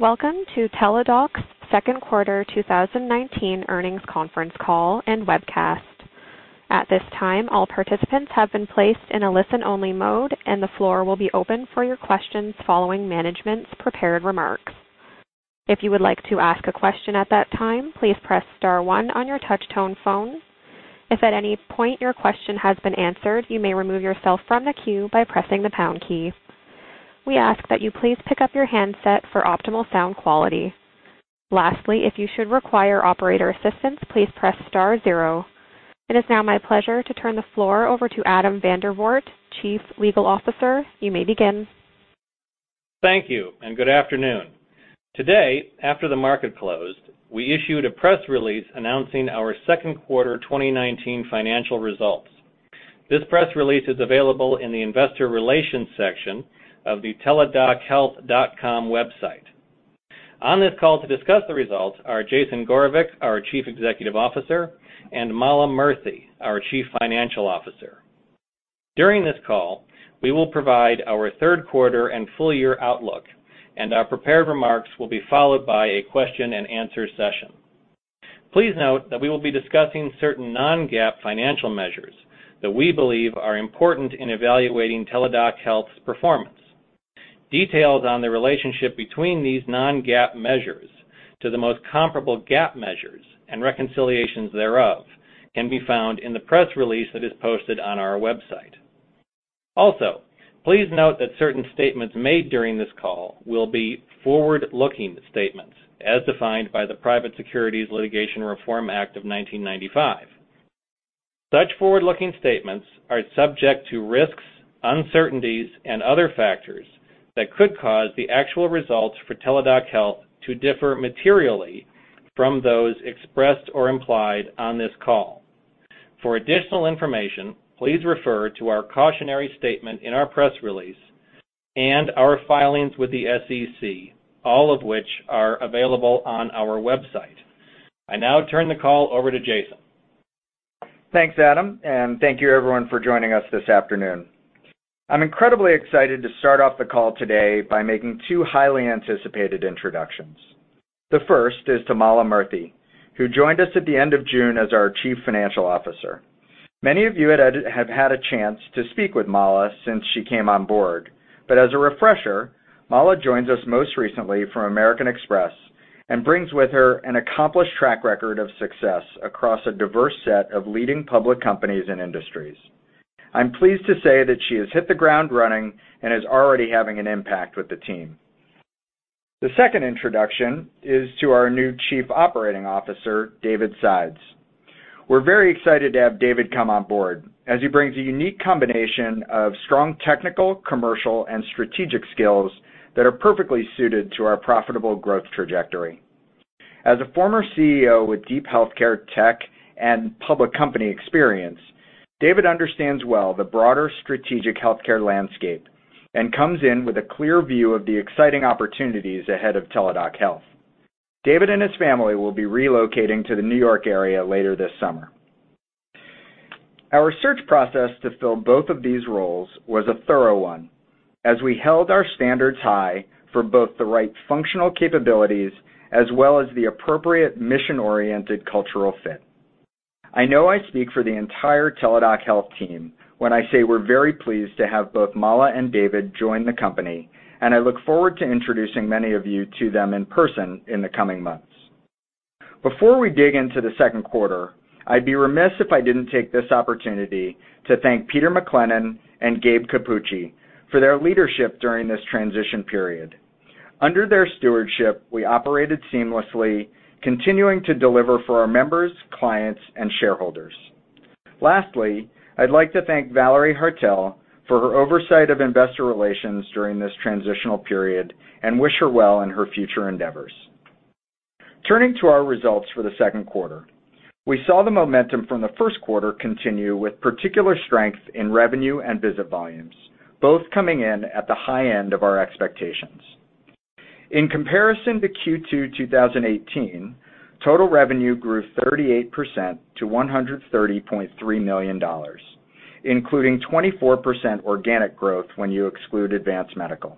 Welcome to Teladoc's second quarter 2019 earnings conference call and webcast. At this time, all participants have been placed in a listen-only mode, and the floor will be open for your questions following management's prepared remarks. If you would like to ask a question at that time, please press star one on your touch-tone phone. If at any point your question has been answered, you may remove yourself from the queue by pressing the pound key. We ask that you please pick up your handset for optimal sound quality. Lastly, if you should require operator assistance, please press star zero. It is now my pleasure to turn the floor over to Adam Vandervoort, Chief Legal Officer. You may begin. Thank you, and good afternoon. Today, after the market closed, we issued a press release announcing our second quarter 2019 financial results. This press release is available in the investor relations section of the teladochealth.com website. On this call to discuss the results are Jason Gorevic, our Chief Executive Officer, and Mala Murthy, our Chief Financial Officer. During this call, we will provide our third quarter and full year outlook, and our prepared remarks will be followed by a question and answer session. Please note that we will be discussing certain non-GAAP financial measures that we believe are important in evaluating Teladoc Health's performance. Details on the relationship between these non-GAAP measures to the most comparable GAAP measures and reconciliations thereof can be found in the press release that is posted on our website. Also, please note that certain statements made during this call will be forward-looking statements as defined by the Private Securities Litigation Reform Act of 1995. Such forward-looking statements are subject to risks, uncertainties, and other factors that could cause the actual results for Teladoc Health to differ materially from those expressed or implied on this call. For additional information, please refer to our cautionary statement in our press release and our filings with the SEC, all of which are available on our website. I now turn the call over to Jason. Thanks, Adam, and thank you everyone for joining us this afternoon. I'm incredibly excited to start off the call today by making two highly anticipated introductions. The first is to Mala Murthy, who joined us at the end of June as our Chief Financial Officer. Many of you have had a chance to speak with Mala since she came on board. As a refresher, Mala joins us most recently from American Express and brings with her an accomplished track record of success across a diverse set of leading public companies and industries. I'm pleased to say that she has hit the ground running and is already having an impact with the team. The second introduction is to our new Chief Operating Officer, David Sides. We're very excited to have David come on board as he brings a unique combination of strong technical, commercial, and strategic skills that are perfectly suited to our profitable growth trajectory. As a former CEO with deep healthcare tech and public company experience, David understands well the broader strategic healthcare landscape and comes in with a clear view of the exciting opportunities ahead of Teladoc Health. David and his family will be relocating to the New York area later this summer. Our search process to fill both of these roles was a thorough one, as we held our standards high for both the right functional capabilities as well as the appropriate mission-oriented cultural fit. I know I speak for the entire Teladoc Health team when I say we're very pleased to have both Mala and David join the company, and I look forward to introducing many of you to them in person in the coming months. Before we dig into the second quarter, I'd be remiss if I didn't take this opportunity to thank Peter McClennen and Gabriel Cappucci for their leadership during this transition period. Under their stewardship, we operated seamlessly, continuing to deliver for our members, clients, and shareholders. Lastly, I'd like to thank Valerie Haertel for her oversight of investor relations during this transitional period and wish her well in her future endeavors. Turning to our results for the second quarter. We saw the momentum from the first quarter continue with particular strength in revenue and visit volumes, both coming in at the high end of our expectations. In comparison to Q2 2018, total revenue grew 38% to $130.3 million, including 24% organic growth when you exclude Advance Medical.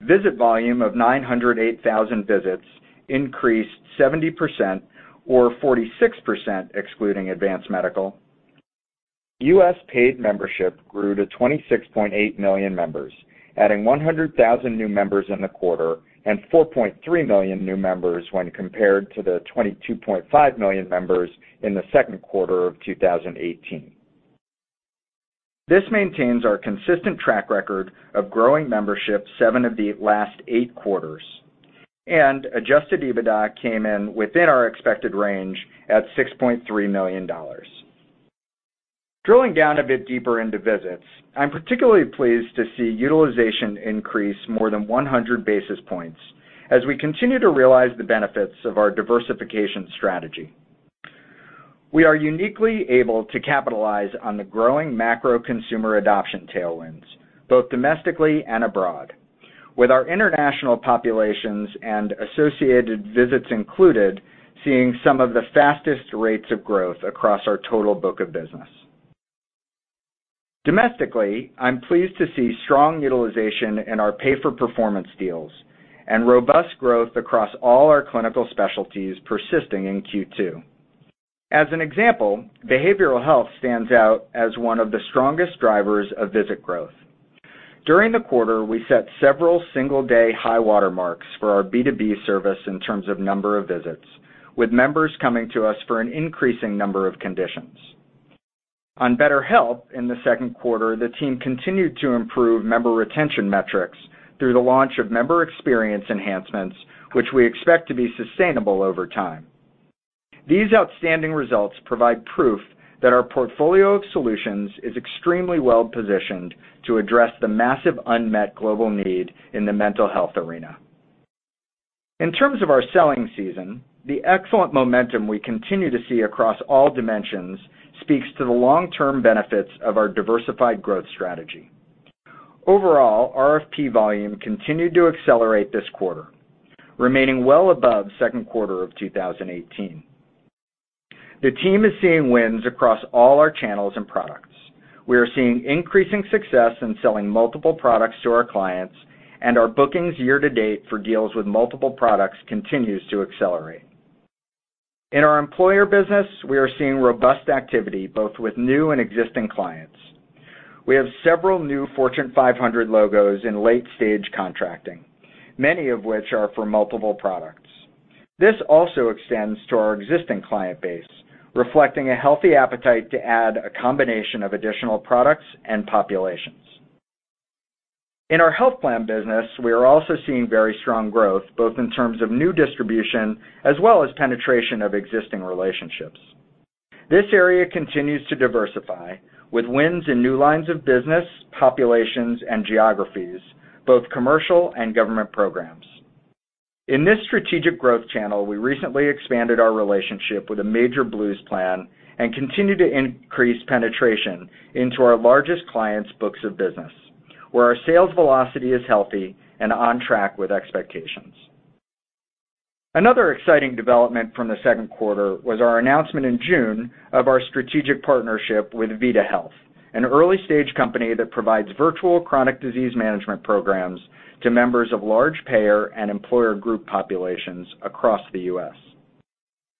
Visit volume of 908,000 visits increased 70% or 46% excluding Advance Medical. U.S. paid membership grew to 26.8 million members, adding 100,000 new members in the quarter and 4.3 million new members when compared to the 22.5 million members in the second quarter of 2018. This maintains our consistent track record of growing membership seven of the last eight quarters, and adjusted EBITDA came in within our expected range at $6.3 million. Drilling down a bit deeper into visits, I'm particularly pleased to see utilization increase more than 100 basis points as we continue to realize the benefits of our diversification strategy. We are uniquely able to capitalize on the growing macro consumer adoption tailwinds, both domestically and abroad. With our international populations and associated visits included, seeing some of the fastest rates of growth across our total book of business. Domestically, I'm pleased to see strong utilization in our pay-for-performance deals and robust growth across all our clinical specialties persisting in Q2. As an example, behavioral health stands out as one of the strongest drivers of visit growth. During the quarter, we set several single-day high water marks for our B2B service in terms of number of visits, with members coming to us for an increasing number of conditions. On BetterHelp in the second quarter, the team continued to improve member retention metrics through the launch of member experience enhancements, which we expect to be sustainable over time. These outstanding results provide proof that our portfolio of solutions is extremely well-positioned to address the massive unmet global need in the mental health arena. In terms of our selling season, the excellent momentum we continue to see across all dimensions speaks to the long-term benefits of our diversified growth strategy. Overall, RFP volume continued to accelerate this quarter, remaining well above second quarter of 2018. The team is seeing wins across all our channels and products. We are seeing increasing success in selling multiple products to our clients, and our bookings year to date for deals with multiple products continues to accelerate. In our employer business, we are seeing robust activity, both with new and existing clients. We have several new Fortune 500 logos in late-stage contracting, many of which are for multiple products. This also extends to our existing client base, reflecting a healthy appetite to add a combination of additional products and populations. In our health plan business, we are also seeing very strong growth, both in terms of new distribution as well as penetration of existing relationships. This area continues to diversify with wins in new lines of business, populations, and geographies, both commercial and government programs. In this strategic growth channel, we recently expanded our relationship with a major Blues plan and continue to increase penetration into our largest clients' books of business, where our sales velocity is healthy and on track with expectations. Another exciting development from the second quarter was our announcement in June of our strategic partnership with Vida Health, an early-stage company that provides virtual chronic disease management programs to members of large payer and employer group populations across the U.S.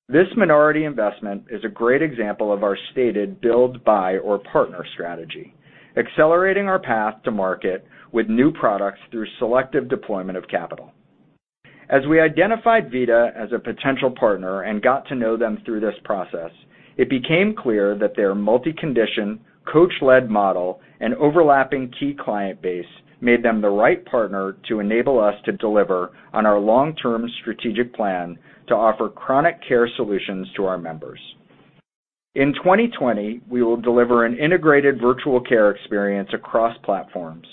This minority investment is a great example of our stated build, buy, or partner strategy, accelerating our path to market with new products through selective deployment of capital. As we identified Vida as a potential partner and got to know them through this process, it became clear that their multi-condition, coach-led model and overlapping key client base made them the right partner to enable us to deliver on our long-term strategic plan to offer chronic care solutions to our members. In 2020, we will deliver an integrated virtual care experience across platforms,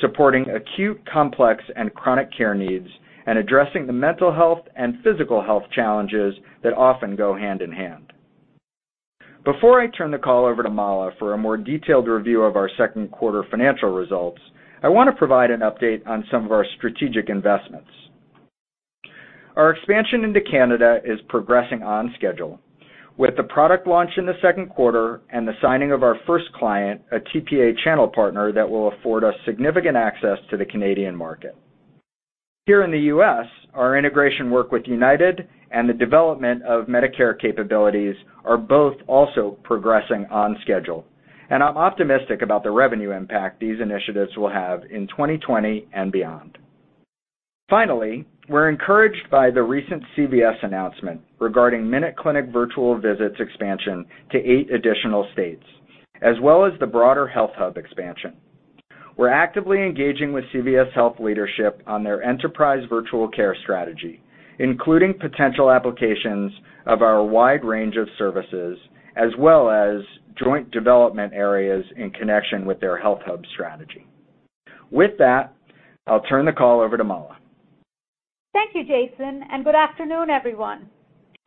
supporting acute, complex, and chronic care needs and addressing the mental health and physical health challenges that often go hand in hand. Before I turn the call over to Mala for a more detailed review of our second quarter financial results, I want to provide an update on some of our strategic investments. Our expansion into Canada is progressing on schedule with the product launch in the second quarter and the signing of our first client, a TPA channel partner that will afford us significant access to the Canadian market. Here in the U.S., our integration work with UnitedHealthcare and the development of Medicare capabilities are both also progressing on schedule. I'm optimistic about the revenue impact these initiatives will have in 2020 and beyond. Finally, we're encouraged by the recent CVS announcement regarding MinuteClinic virtual visits expansion to eight additional states, as well as the broader health hub expansion. We're actively engaging with CVS Health leadership on their enterprise virtual care strategy, including potential applications of our wide range of services, as well as joint development areas in connection with their health hub strategy. With that, I'll turn the call over to Mala. Thank you, Jason. Good afternoon, everyone.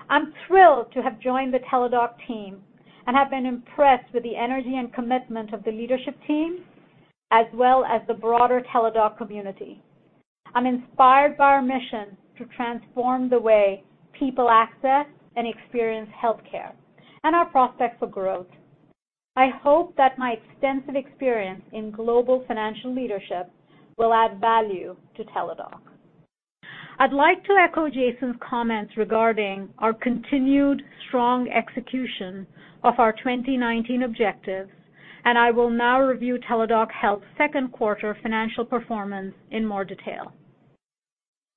I'm thrilled to have joined the Teladoc team and have been impressed with the energy and commitment of the leadership team, as well as the broader Teladoc community. I'm inspired by our mission to transform the way people access and experience healthcare. Our prospects for growth. I hope that my extensive experience in global financial leadership will add value to Teladoc. I'd like to echo Jason's comments regarding our continued strong execution of our 2019 objectives. I will now review Teladoc Health's second quarter financial performance in more detail.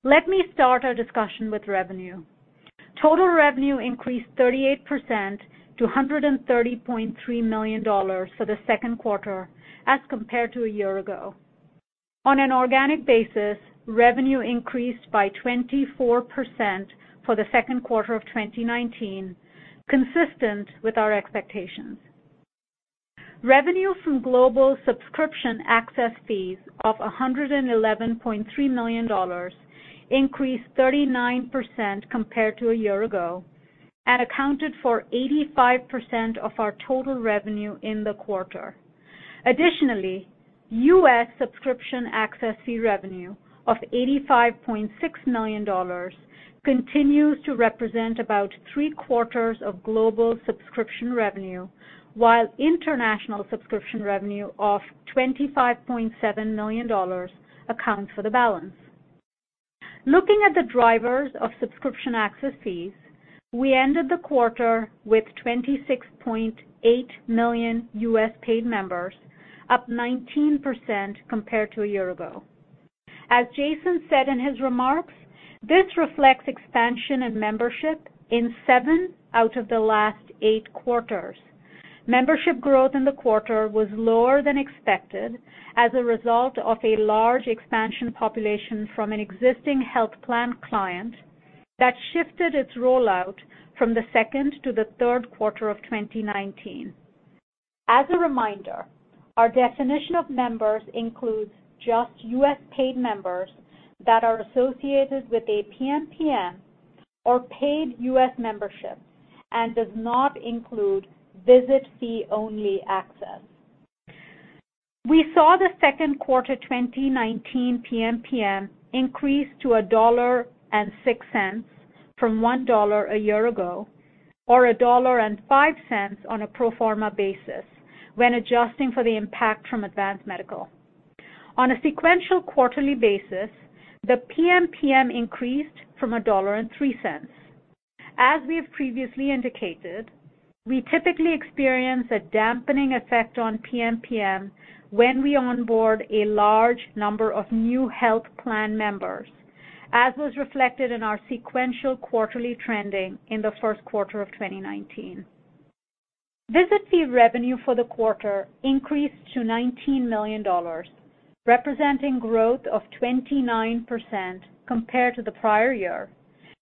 Let me start our discussion with revenue. Total revenue increased 38% to $130.3 million for the second quarter as compared to a year ago. On an organic basis, revenue increased by 24% for the second quarter of 2019, consistent with our expectations. Revenue from global subscription access fees of $111.3 million increased 39% compared to a year ago and accounted for 85% of our total revenue in the quarter. Additionally, U.S. subscription access fee revenue of $85.6 million continues to represent about three-quarters of global subscription revenue, while international subscription revenue of $25.7 million accounts for the balance. Looking at the drivers of subscription access fees, we ended the quarter with 26.8 million U.S. paid members, up 19% compared to a year ago. As Jason said in his remarks, this reflects expansion of membership in seven out of the last eight quarters. Membership growth in the quarter was lower than expected as a result of a large expansion population from an existing health plan client that shifted its rollout from the second to the third quarter of 2019. As a reminder, our definition of members includes just U.S. paid members that are associated with a PMPM or paid U.S. membership and does not include visit fee-only access. We saw the second quarter 2019 PMPM increase to $1.06 from $1 a year ago, or $1.05 on a pro forma basis, when adjusting for the impact from Advance Medical. On a sequential quarterly basis, the PMPM increased from $1.03. As we have previously indicated, we typically experience a dampening effect on PMPM when we onboard a large number of new health plan members, as was reflected in our sequential quarterly trending in the first quarter of 2019. Visit fee revenue for the quarter increased to $19 million, representing growth of 29% compared to the prior year,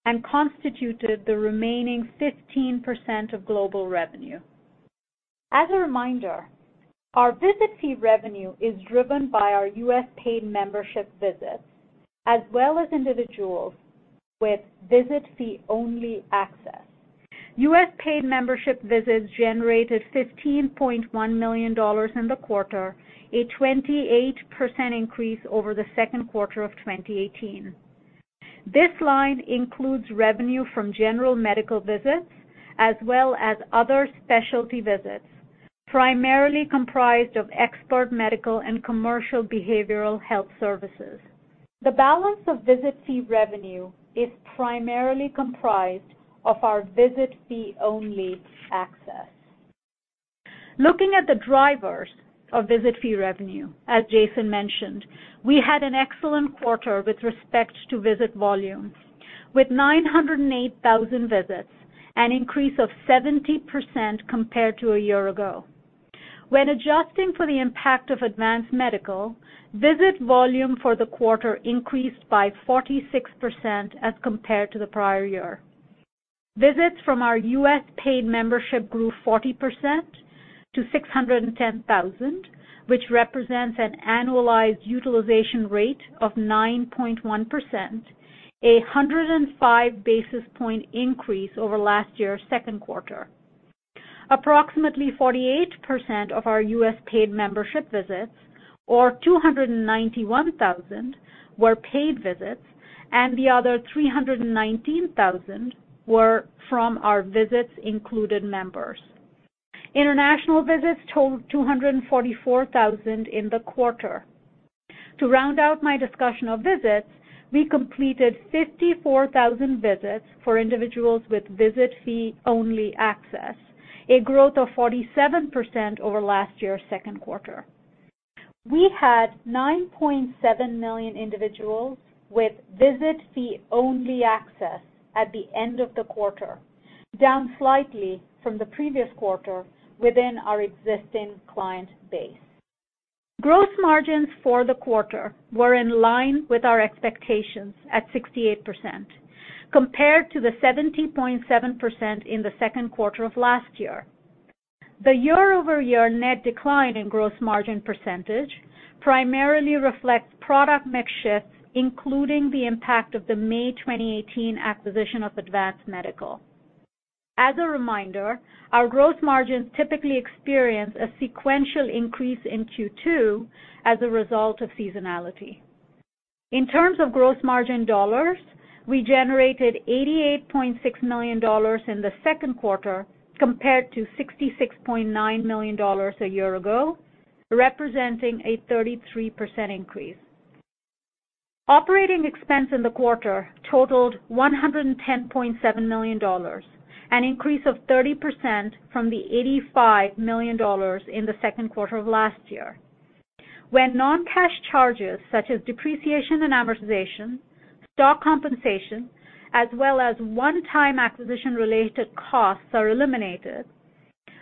and constituted the remaining 15% of global revenue. As a reminder, our visit fee revenue is driven by our U.S. paid membership visits, as well as individuals with visit fee-only access. U.S. paid membership visits generated $15.1 million in the quarter, a 28% increase over the second quarter of 2018. This line includes revenue from general medical visits as well as other specialty visits, primarily comprised of expert medical and commercial behavioral health services. The balance of visit fee revenue is primarily comprised of our visit fee-only access. Looking at the drivers of visit fee revenue, as Jason mentioned, we had an excellent quarter with respect to visit volume, with 908,000 visits, an increase of 70% compared to a year ago. When adjusting for the impact of Advance Medical, visit volume for the quarter increased by 46% as compared to the prior year. Visits from our U.S. paid membership grew 40% to 610,000, which represents an annualized utilization rate of 9.1%, a 105 basis point increase over last year's second quarter. Approximately 48% of our U.S. paid membership visits, or 291,000, were paid visits, and the other 319,000 were from our visits-included members. International visits totaled 244,000 in the quarter. To round out my discussion of visits, we completed 54,000 visits for individuals with visit fee-only access, a growth of 47% over last year's second quarter. We had 9.7 million individuals with visit fee-only access at the end of the quarter, down slightly from the previous quarter within our existing client base. Gross margins for the quarter were in line with our expectations at 68%, compared to the 70.7% in the second quarter of last year. The year-over-year net decline in gross margin percentage primarily reflects product mix shifts, including the impact of the May 2018 acquisition of Advance Medical. As a reminder, our gross margins typically experience a sequential increase in Q2 as a result of seasonality. In terms of gross margin dollars, we generated $88.6 million in the second quarter compared to $66.9 million a year ago, representing a 33% increase. Operating expense in the quarter totaled $110.7 million, an increase of 30% from the $85 million in the second quarter of last year. When non-cash charges such as depreciation and amortization, stock compensation, as well as one-time acquisition-related costs are eliminated,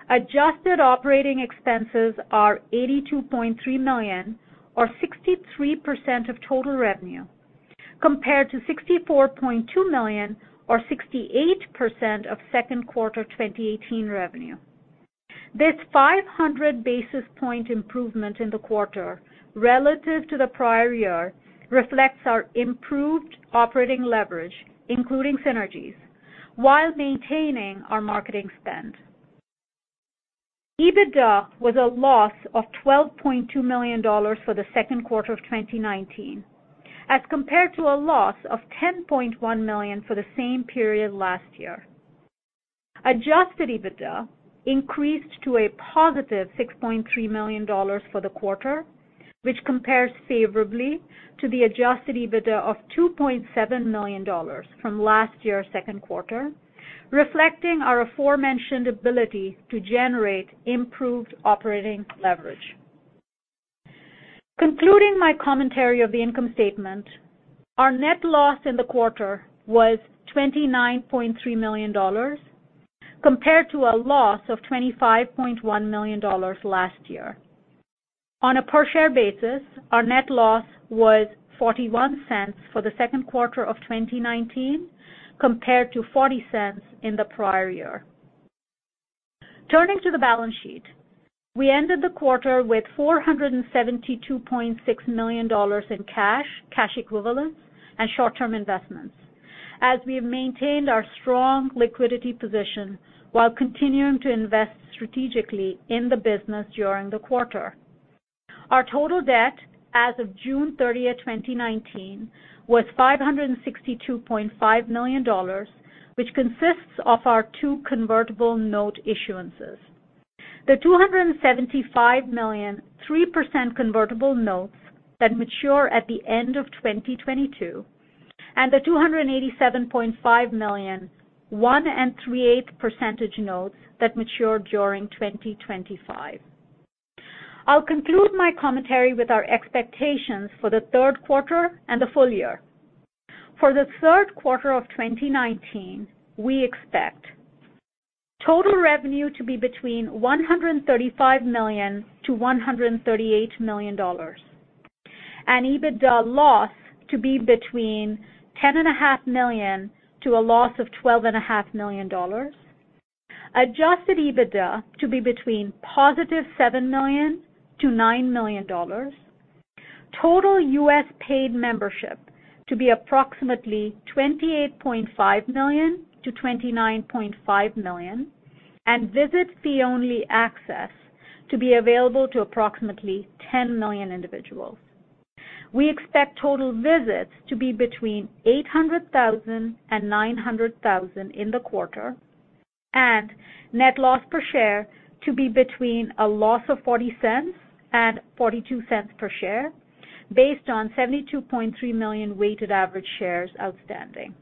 adjusted operating expenses are $82.3 million or 63% of total revenue compared to $64.2 million or 68% of second quarter 2018 revenue. This 500 basis point improvement in the quarter relative to the prior year reflects our improved operating leverage, including synergies, while maintaining our marketing spend. EBITDA was a loss of $12.2 million for the second quarter of 2019 as compared to a loss of $10.1 million for the same period last year. Adjusted EBITDA increased to a positive $6.3 million for the quarter, which compares favorably to the adjusted EBITDA of $2.7 million from last year's second quarter, reflecting our aforementioned ability to generate improved operating leverage. Concluding my commentary of the income statement, our net loss in the quarter was $29.3 million, compared to a loss of $25.1 million last year. On a per-share basis, our net loss was $0.41 for the second quarter of 2019, compared to $0.40 in the prior year. Turning to the balance sheet, we ended the quarter with $472.6 million in cash equivalents, and short-term investments as we have maintained our strong liquidity position while continuing to invest strategically in the business during the quarter. Our total debt as of June 30th, 2019, was $562.5 million, which consists of our two convertible note issuances. The $275 million, 3% convertible notes that mature at the end of 2022 and the $287.5 million, one and three-eighths percentage notes that mature during 2025. I'll conclude my commentary with our expectations for the third quarter and the full year. For the third quarter of 2019, we expect total revenue to be between $135 million-$138 million, an EBITDA loss to be between a loss of $10.5 million-$12.5 million, adjusted EBITDA to be between positive $7 million-$9 million, total U.S paid membership to be approximately 28.5 million-29.5 million, and Visit fee-only access to be available to approximately 10 million individuals. We expect total visits to be between 800,000 and 900,000 in the quarter, and net loss per share to be between a loss of $0.40 and $0.42 per share based on 72.3 million weighted average shares outstanding.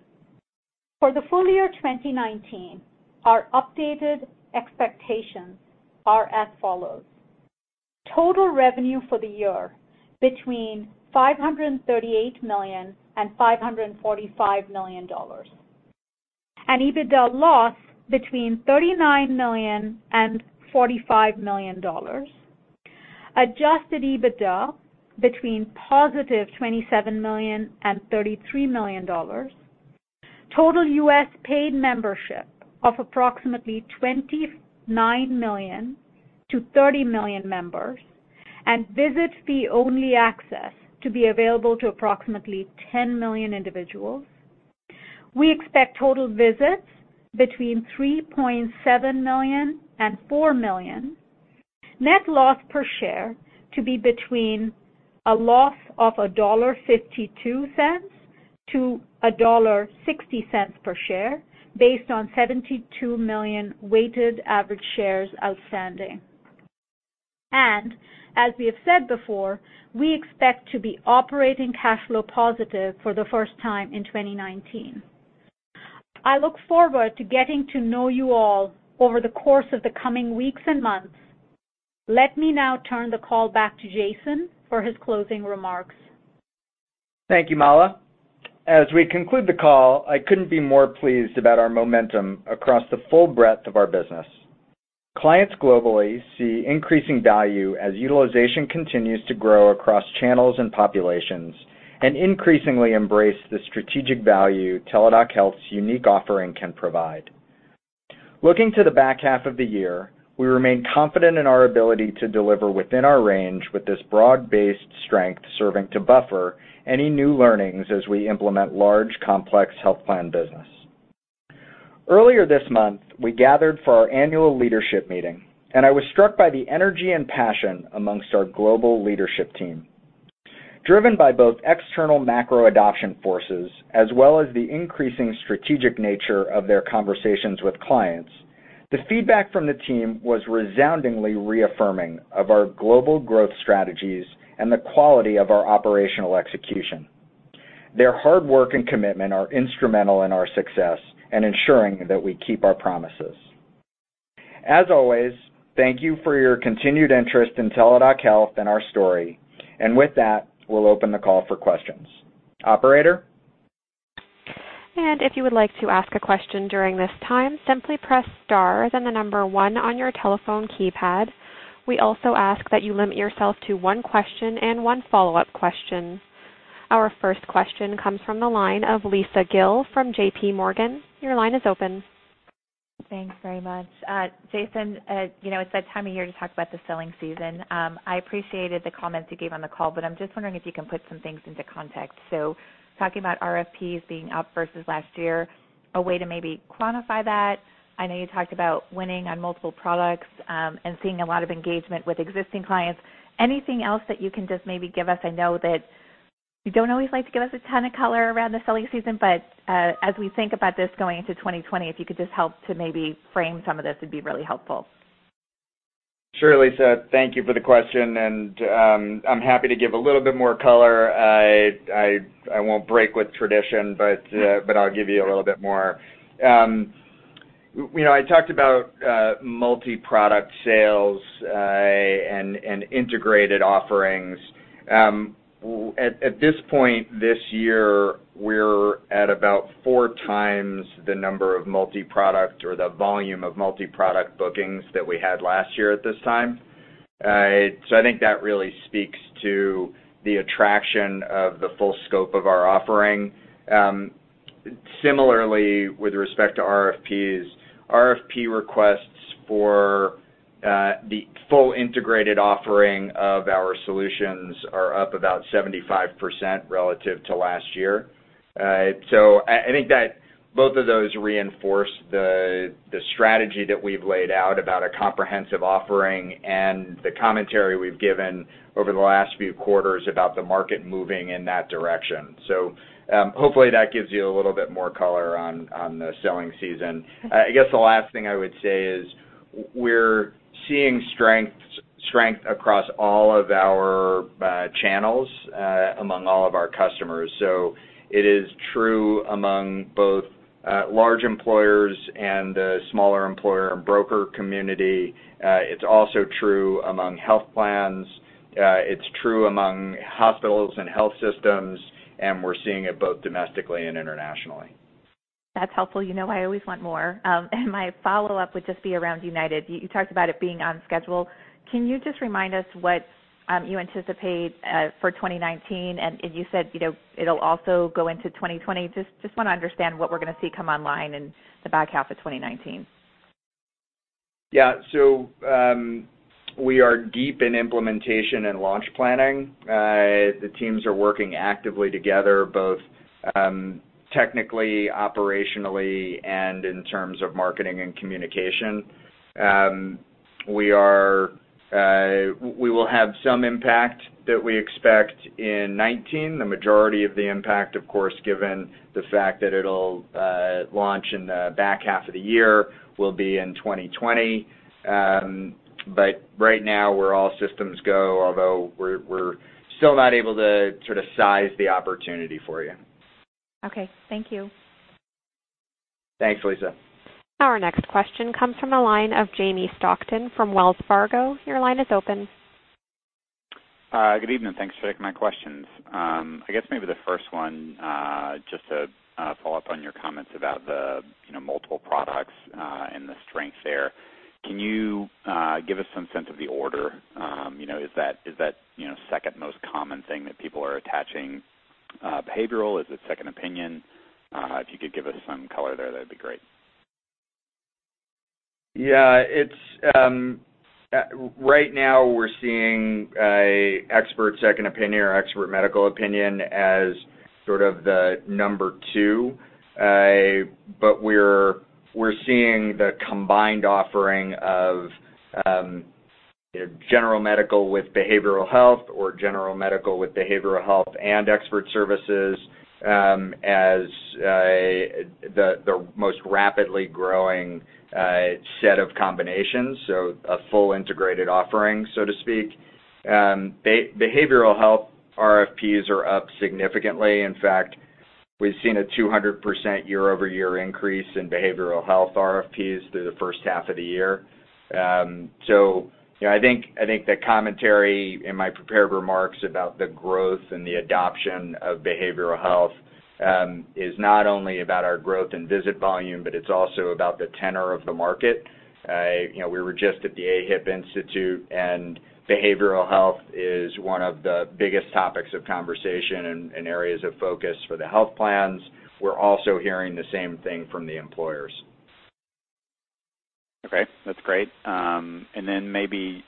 For the full year 2019, our updated expectations are as follows. Total revenue for the year between $538 million and $545 million, an EBITDA loss between $39 million and $45 million, adjusted EBITDA between positive $27 million and $33 million, total U.S. paid membership of approximately 29 million-30 million members, and Visit fee-only access to be available to approximately 10 million individuals. We expect total visits between 3.7 million and 4 million, net loss per share to be between a loss of $1.52-$1.60 per share based on 72 million weighted average shares outstanding. As we have said before, we expect to be operating cash flow positive for the first time in 2019. I look forward to getting to know you all over the course of the coming weeks and months. Let me now turn the call back to Jason for his closing remarks. Thank you, Mala. As we conclude the call, I couldn't be more pleased about our momentum across the full breadth of our business. Clients globally see increasing value as utilization continues to grow across channels and populations and increasingly embrace the strategic value Teladoc Health's unique offering can provide. Looking to the back half of the year, we remain confident in our ability to deliver within our range with this broad-based strength serving to buffer any new learnings as we implement large, complex health plan business. Earlier this month, we gathered for our annual leadership meeting, and I was struck by the energy and passion amongst our global leadership team. Driven by both external macro adoption forces as well as the increasing strategic nature of their conversations with clients, the feedback from the team was resoundingly reaffirming of our global growth strategies and the quality of our operational execution. Their hard work and commitment are instrumental in our success and ensuring that we keep our promises. As always, thank you for your continued interest in Teladoc Health and our story. With that, we'll open the call for questions. Operator? If you would like to ask a question during this time, simply press star, then the number one on your telephone keypad. We also ask that you limit yourself to one question and one follow-up question. Our first question comes from the line of Lisa Gill from JPMorgan. Your line is open. Thanks very much. Jason, it's that time of year to talk about the selling season. I appreciated the comments you gave on the call, but I'm just wondering if you can put some things into context. Talking about RFPs being up versus last year, a way to maybe quantify that. I know you talked about winning on multiple products, and seeing a lot of engagement with existing clients. Anything else that you can just maybe give us? I know that you don't always like to give us a ton of color around the selling season, but, as we think about this going into 2020, if you could just help to maybe frame some of this, it'd be really helpful. Sure, Lisa. Thank you for the question. I'm happy to give a little bit more color. I won't break with tradition. I'll give you a little bit more. I talked about multi-product sales, and integrated offerings. At this point this year, we're at about 4x the number of multi-product or the volume of multi-product bookings that we had last year at this time. I think that really speaks to the attraction of the full scope of our offering. Similarly, with respect to RFPs, RFP requests for the full integrated offering of our solutions are up about 75% relative to last year. I think that both of those reinforce the strategy that we've laid out about a comprehensive offering and the commentary we've given over the last few quarters about the market moving in that direction. Hopefully, that gives you a little bit more color on the selling season. I guess the last thing I would say is, we're seeing strength across all of our channels, among all of our customers. It is true among both large employers and the smaller employer and broker community. It's also true among health plans. It's true among hospitals and health systems, and we're seeing it both domestically and internationally. That's helpful. You know I always want more. My follow-up would just be around UnitedHealthcare. You talked about it being on schedule. Can you just remind us what you anticipate for 2019? You said it'll also go into 2020. Just want to understand what we're going to see come online in the back half of 2019. Yeah. We are deep in implementation and launch planning. The teams are working actively together, both technically, operationally, and in terms of marketing and communication. We will have some impact that we expect in 2019. The majority of the impact, of course, given the fact that it'll launch in the back half of the year, will be in 2020. Right now, we're all systems go, although we're still not able to size the opportunity for you. Okay. Thank you. Thanks, Lisa. Our next question comes from the line of Jamie Stockton from Wells Fargo. Your line is open. Good evening. Thanks for taking my questions. I guess maybe the first one, just to follow up on your comments about the multiple products, and the strengths there. Can you give us some sense of the order? Is that second most common thing that people are attaching behavioral? Is it second opinion? If you could give us some color there, that'd be great. Yeah. Right now, we're seeing expert second opinion or expert medical opinion as sort of the number two. We're seeing the combined offering of general medical with behavioral health or general medical with behavioral health and expert services as the most rapidly growing set of combinations, so a full integrated offering, so to speak. Behavioral health RFPs are up significantly. In fact, we've seen a 200% year-over-year increase in behavioral health RFPs through the first half of the year. I think the commentary in my prepared remarks about the growth and the adoption of behavioral health, is not only about our growth in visit volume, but it's also about the tenor of the market. We were just at the AHIP Institute, and behavioral health is one of the biggest topics of conversation and areas of focus for the health plans. We're also hearing the same thing from the employers. Okay. That's great. Then maybe,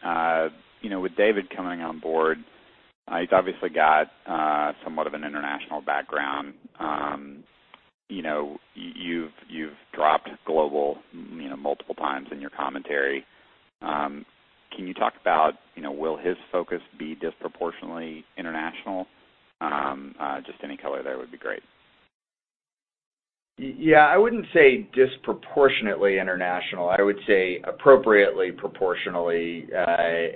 with David coming on board, he's obviously got somewhat of an international background. You've dropped global multiple times in your commentary. Can you talk about, will his focus be disproportionately international? Just any color there would be great. Yeah. I wouldn't say disproportionately international. I would say appropriately proportionally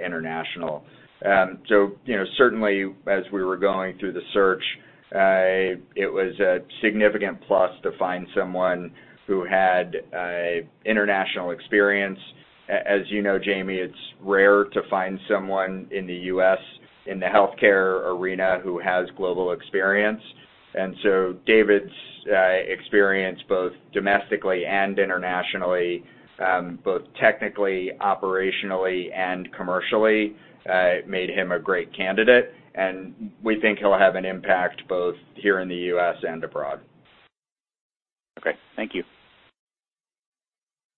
international. Certainly, as we were going through the search, it was a significant plus to find someone who had international experience. As you know, Jamie, it's rare to find someone in the U.S. in the healthcare arena who has global experience. David's experience, both domestically and internationally, both technically, operationally, and commercially, made him a great candidate, and we think he'll have an impact both here in the U.S. and abroad. Okay. Thank you.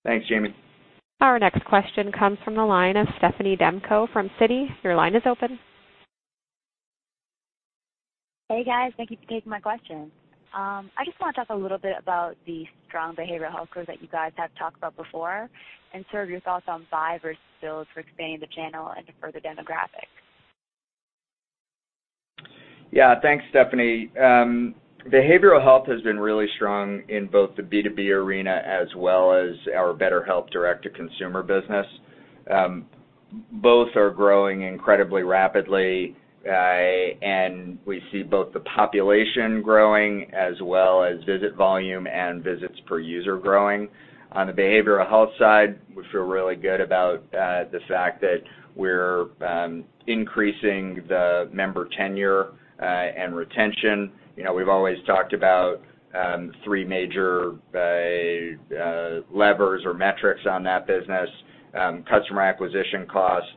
Thanks, Jamie. Our next question comes from the line of Stephanie Demko from Citi. Your line is open. Hey, guys. Thank you for taking my question. I just want to talk a little bit about the strong behavioral health growth that you guys have talked about before, and sort of your thoughts on buy versus build for expanding the channel into further demographics. Yeah. Thanks, Stephanie. Behavioral health has been really strong in both the B2B arena as well as our BetterHelp direct-to-consumer business. Both are growing incredibly rapidly. We see both the population growing as well as visit volume and visits per user growing. On the behavioral health side, we feel really good about the fact that we're increasing the member tenure and retention. We've always talked about three major levers or metrics on that business, customer acquisition cost,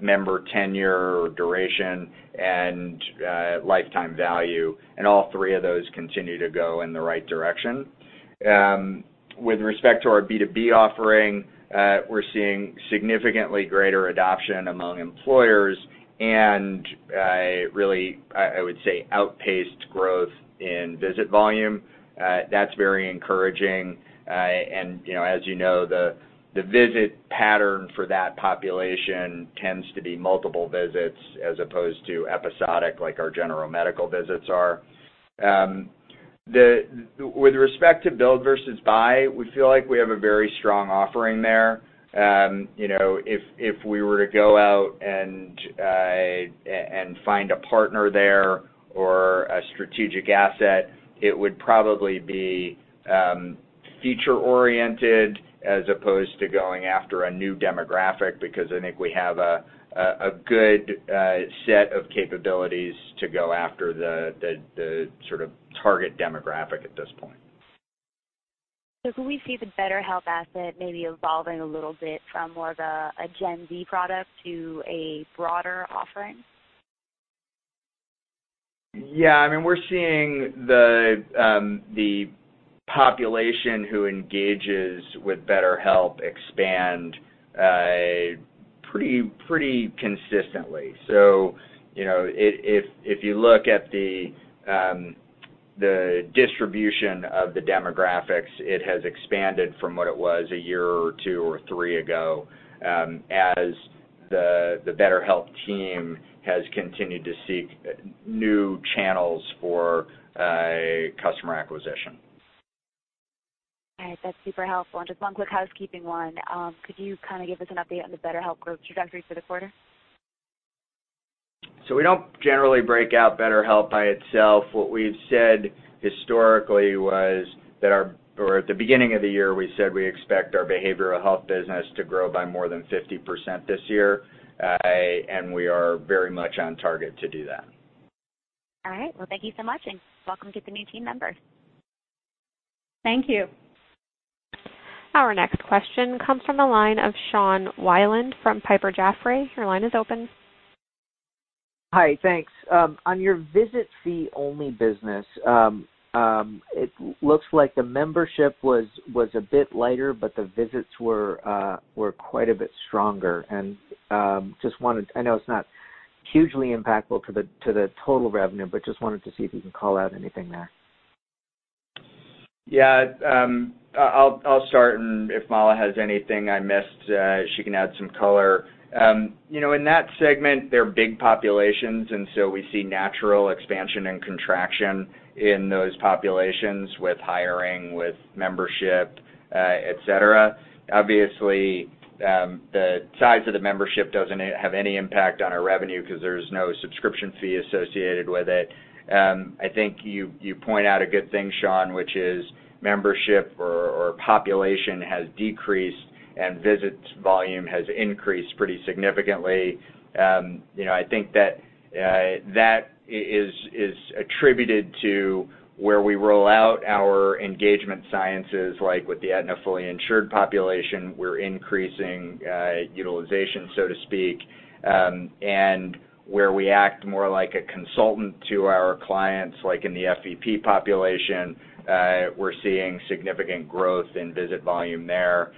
member tenure or duration, and lifetime value. All three of those continue to go in the right direction. With respect to our B2B offering, we're seeing significantly greater adoption among employers. Really, I would say, outpaced growth in visit volume. That's very encouraging. As you know, the visit pattern for that population tends to be multiple visits as opposed to episodic, like our general medical visits are. With respect to build versus buy, we feel like we have a very strong offering there. If we were to go out and find a partner there or a strategic asset, it would probably be future-oriented as opposed to going after a new demographic, because I think we have a good set of capabilities to go after the sort of target demographic at this point. Can we see the BetterHelp asset maybe evolving a little bit from more of a Gen Z product to a broader offering? Yeah. We're seeing the population who engages with BetterHelp expand pretty consistently. If you look at the distribution of the demographics, it has expanded from what it was a year or two or three ago, as the BetterHelp team has continued to seek new channels for customer acquisition. All right. That's super helpful. Just one quick housekeeping one. Could you kind of give us an update on the BetterHelp growth trajectory for the quarter? We don't generally break out BetterHelp by itself. What we've said historically was that at the beginning of the year, we said we expect our behavioral health business to grow by more than 50% this year, and we are very much on target to do that. All right. Well, thank you so much, and welcome to the new team members. Thank you. Our next question comes from the line of Sean Wieland from Piper Jaffray. Your line is open. Hi. Thanks. On your visit fee-only business, it looks like the membership was a bit lighter. The visits were quite a bit stronger. I know it's not hugely impactful to the total revenue. Just wanted to see if you can call out anything there. Yeah. I'll start, and if Mala has anything I missed, she can add some color. In that segment, they're big populations, we see natural expansion and contraction in those populations with hiring, with membership, et cetera. Obviously, the size of the membership doesn't have any impact on our revenue because there's no subscription fee associated with it. I think you point out a good thing, Sean, which is membership or population has decreased, and visit volume has increased pretty significantly. I think that is attributed to where we roll out our engagement sciences, like with the Aetna fully insured population, we're increasing utilization, so to speak. Where we act more like a consultant to our clients, like in the FEP population, we're seeing significant growth in visit volume there.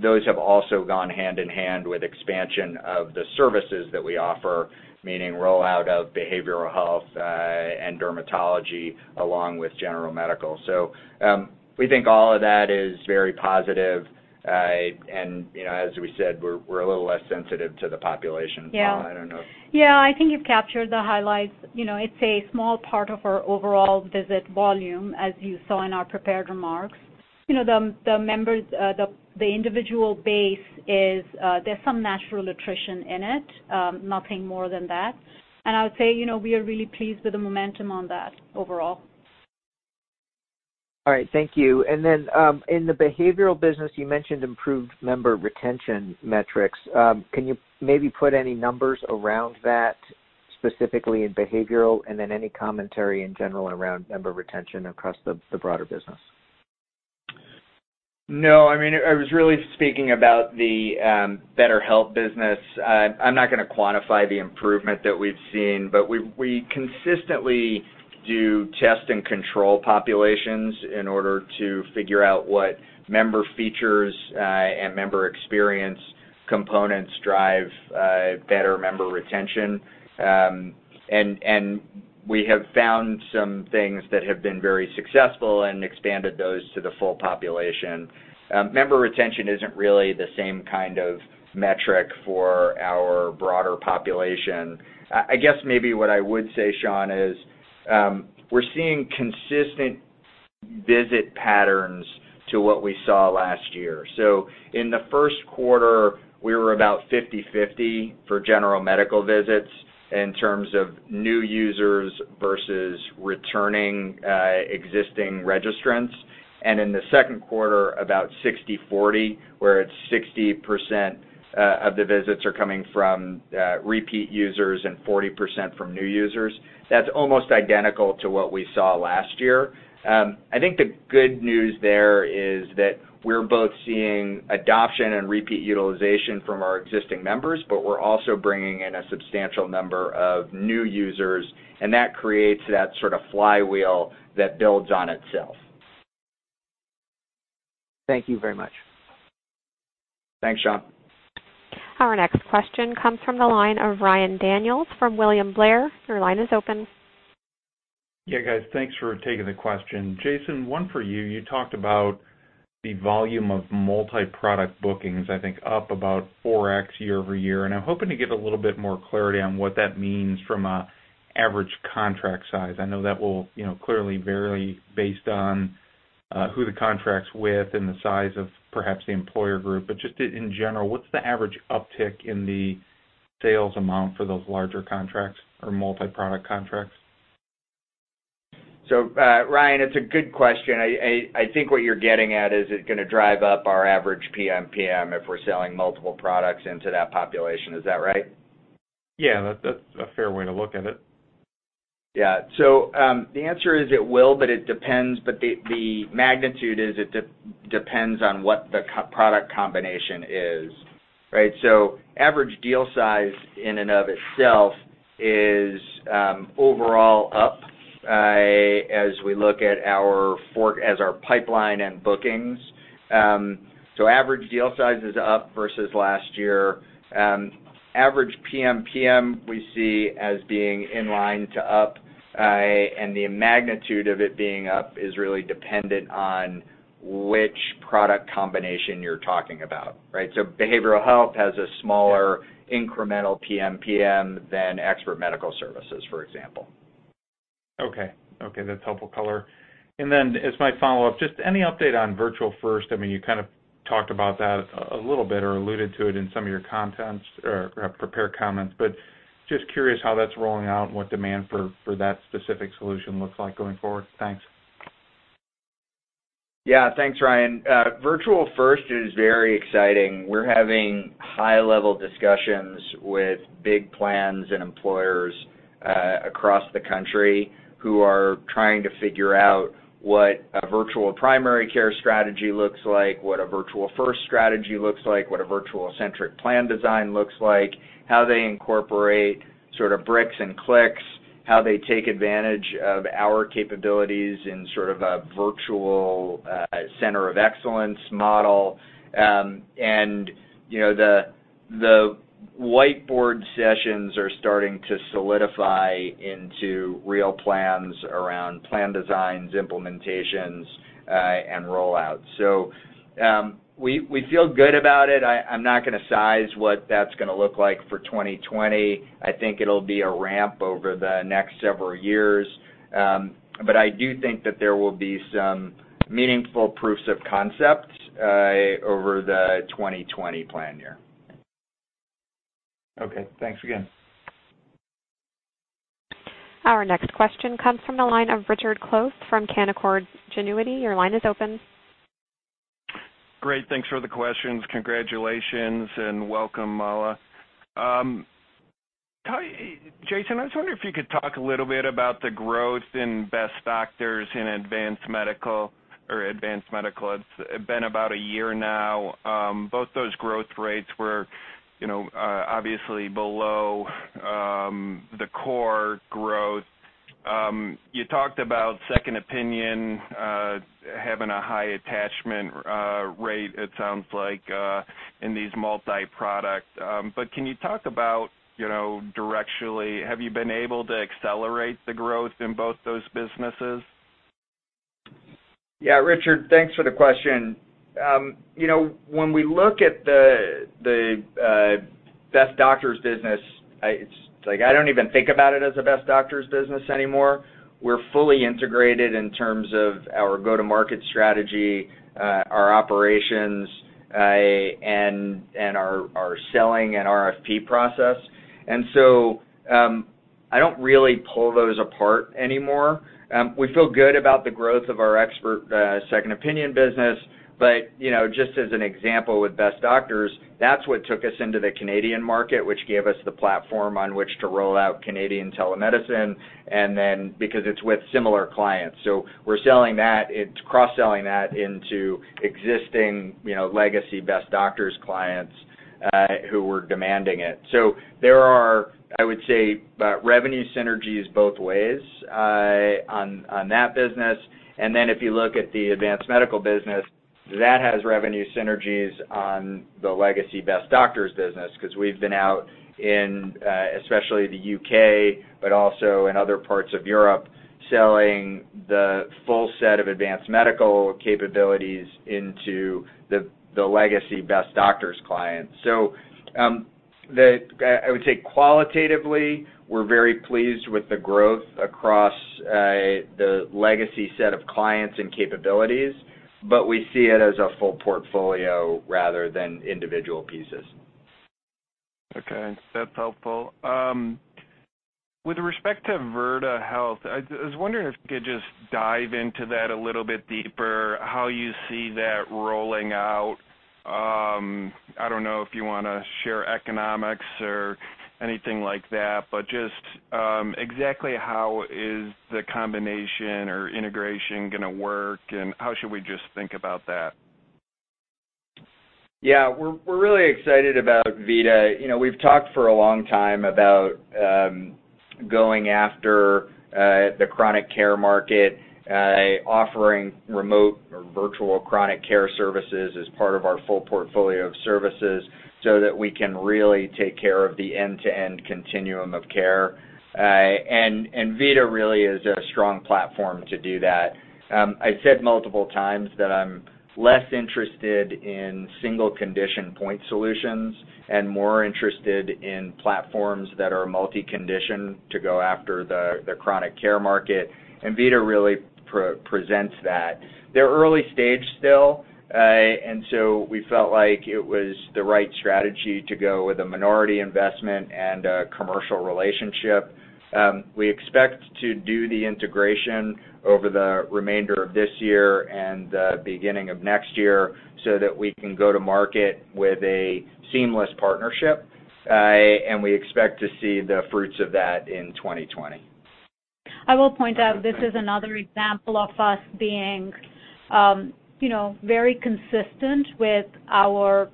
Those have also gone hand-in-hand with expansion of the services that we offer, meaning rollout of behavioral health and dermatology, along with general medical. We think all of that is very positive. As we said, we're a little less sensitive to the population. Mala, I don't know. Yeah. I think you've captured the highlights. It's a small part of our overall visit volume, as you saw in our prepared remarks. The individual base is, there's some natural attrition in it, nothing more than that. I would say, we are really pleased with the momentum on that overall. All right. Thank you. In the behavioral business, you mentioned improved member retention metrics. Can you maybe put any numbers around that, specifically in behavioral, and then any commentary in general around member retention across the broader business? No. I was really speaking about the BetterHelp business. I'm not going to quantify the improvement that we've seen. We consistently do test and control populations in order to figure out what member features and member experience components drive better member retention. We have found some things that have been very successful and expanded those to the full population. Member retention isn't really the same kind of metric for our broader population. I guess maybe what I would say, Sean, is we're seeing consistent visit patterns to what we saw last year. In the first quarter, we were about 50/50 for general medical visits in terms of new users versus returning existing registrants. In the second quarter, about 60/40, where it's 60% of the visits are coming from repeat users and 40% from new users. That's almost identical to what we saw last year. I think the good news there is that we're both seeing adoption and repeat utilization from our existing members, but we're also bringing in a substantial number of new users, and that creates that sort of flywheel that builds on itself. Thank you very much. Thanks, Sean. Our next question comes from the line of Ryan Daniels from William Blair. Your line is open. Yeah, guys. Thanks for taking the question. Jason, one for you. You talked about the volume of multi-product bookings, I think up about 4x year-over-year. I'm hoping to get a little bit more clarity on what that means from an average contract size. I know that will clearly vary based on who the contract's with and the size of perhaps the employer group. Just in general, what's the average uptick in the sales amount for those larger contracts or multi-product contracts? Ryan, it's a good question. I think what you're getting at is it going to drive up our average PMPM if we're selling multiple products into that population. Is that right? Yeah. That's a fair way to look at it. The answer is it will, but it depends. The magnitude is it depends on what the product combination is, right? Average deal size in and of itself is overall up as we look at our pipeline and bookings. Average deal size is up versus last year. Average PMPM, we see as being in line to up, and the magnitude of it being up is really dependent on which product combination you're talking about, right? Behavioral health has a smaller incremental PMPM than expert medical services, for example. Okay. That's helpful color. As my follow-up, just any update on virtual first? You kind of talked about that a little bit or alluded to it in some of your prepared comments, but just curious how that's rolling out and what demand for that specific solution looks like going forward. Thanks. Thanks, Ryan. Virtual first is very exciting. We're having high-level discussions with big plans and employers across the country who are trying to figure out what a virtual primary care strategy looks like, what a virtual first strategy looks like, what a virtual-centric plan design looks like, how they incorporate bricks and clicks, how they take advantage of our capabilities in sort of a virtual center of excellence model. The whiteboard sessions are starting to solidify into real plans around plan designs, implementations, and rollouts. We feel good about it. I'm not going to size what that's going to look like for 2020. I think it'll be a ramp over the next several years. I do think that there will be some meaningful proofs of concept over the 2020 plan year. Okay. Thanks again. Our next question comes from the line of Richard Close from Canaccord Genuity. Your line is open. Great. Thanks for the questions. Congratulations and welcome, Mala. Jason, I was wondering if you could talk a little bit about the growth in Best Doctors and Advance Medical. It's been about a year now. Both those growth rates were obviously below the core growth. You talked about second opinion having a high attachment rate, it sounds like, in these multi-product. Can you talk about directionally, have you been able to accelerate the growth in both those businesses? Yeah, Richard. Thanks for the question. When we look at the Best Doctors business, I don't even think about it as a Best Doctors business anymore. We're fully integrated in terms of our go-to-market strategy, our operations, and our selling and RFP process. I don't really pull those apart anymore. We feel good about the growth of our expert second opinion business. Just as an example with Best Doctors, that's what took us into the Canadian market, which gave us the platform on which to roll out Canadian telemedicine, and then because it's with similar clients. We're selling that. It's cross-selling that into existing legacy Best Doctors clients, who were demanding it. There are, I would say, revenue synergies both ways on that business. If you look at the advanced medical business, that has revenue synergies on the legacy Best Doctors business, because we've been out in especially the U.K., but also in other parts of Europe, selling the full set of advanced medical capabilities into the legacy Best Doctors clients. I would say qualitatively, we're very pleased with the growth across the legacy set of clients and capabilities, but we see it as a full portfolio rather than individual pieces. Okay, that's helpful. With respect to Vida Health, I was wondering if you could just dive into that a little bit deeper, how you see that rolling out. I don't know if you want to share economics or anything like that, but just exactly how is the combination or integration going to work, and how should we just think about that? Yeah, we're really excited about Vida. We've talked for a long time about going after the chronic care market, offering remote or virtual chronic care services as part of our full portfolio of services so that we can really take care of the end-to-end continuum of care. Vida really is a strong platform to do that. I said multiple times that I'm less interested in single condition point solutions and more interested in platforms that are multi-condition to go after the chronic care market, and Vida really presents that. They're early stage still, we felt like it was the right strategy to go with a minority investment and a commercial relationship. We expect to do the integration over the remainder of this year and the beginning of next year so that we can go to market with a seamless partnership. We expect to see the fruits of that in 2020. I will point out, this is another example of us being very consistent with our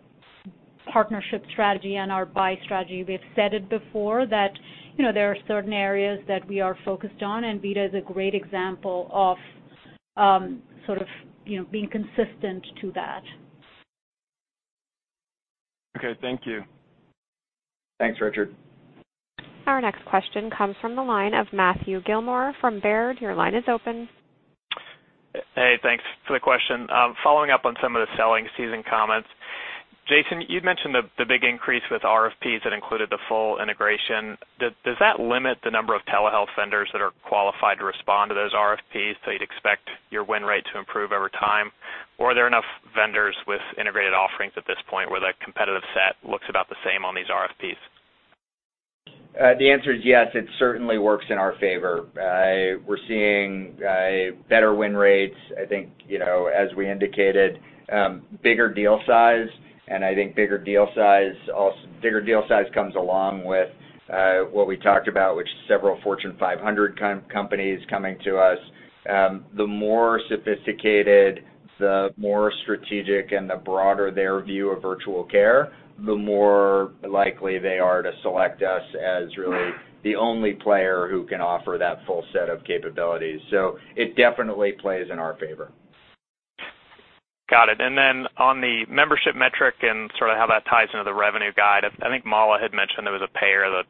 partnership strategy and our buy strategy. We've said it before, that there are certain areas that we are focused on. Vida is a great example of being consistent to that. Okay, thank you. Thanks, Richard. Our next question comes from the line of Matthew Gillmor from Baird. Your line is open. Hey, thanks. The question, following up on some of the selling season comments. Jason, you'd mentioned the big increase with RFPs that included the full integration. Does that limit the number of telehealth vendors that are qualified to respond to those RFPs, so you'd expect your win rate to improve over time? Are there enough vendors with integrated offerings at this point where the competitive set looks about the same on these RFPs? The answer is yes, it certainly works in our favor. We're seeing better win rates. I think, as we indicated, bigger deal size. I think bigger deal size comes along with what we talked about, which is several Fortune 500 companies coming to us. The more sophisticated, the more strategic, and the broader their view of virtual care, the more likely they are to select us as really the only player who can offer that full set of capabilities. It definitely plays in our favor. Got it. On the membership metric and how that ties into the revenue guide, I think Mala had mentioned there was a payer that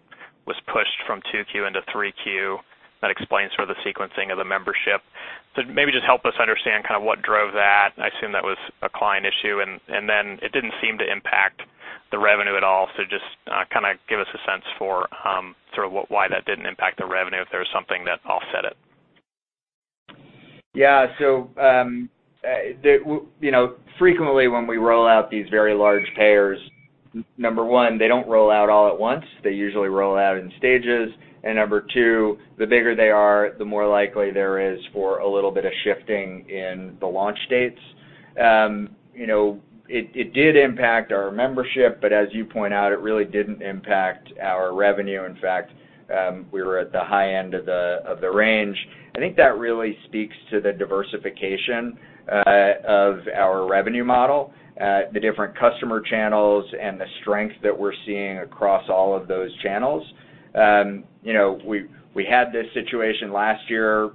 was pushed from 2Q into 3Q that explains the sequencing of the membership. Maybe just help us understand what drove that. I assume that was a client issue, and then it didn't seem to impact the revenue at all. Just give us a sense for why that didn't impact the revenue, if there was something that offset it. Frequently, when we roll out these very large payers, number one, they don't roll out all at once. They usually roll out in stages. Number two, the bigger they are, the more likely there is for a little bit of shifting in the launch dates. It did impact our membership, as you point out, it really didn't impact our revenue. In fact, we were at the high end of the range. I think that really speaks to the diversification of our revenue model, the different customer channels, and the strength that we're seeing across all of those channels. We had this situation last year,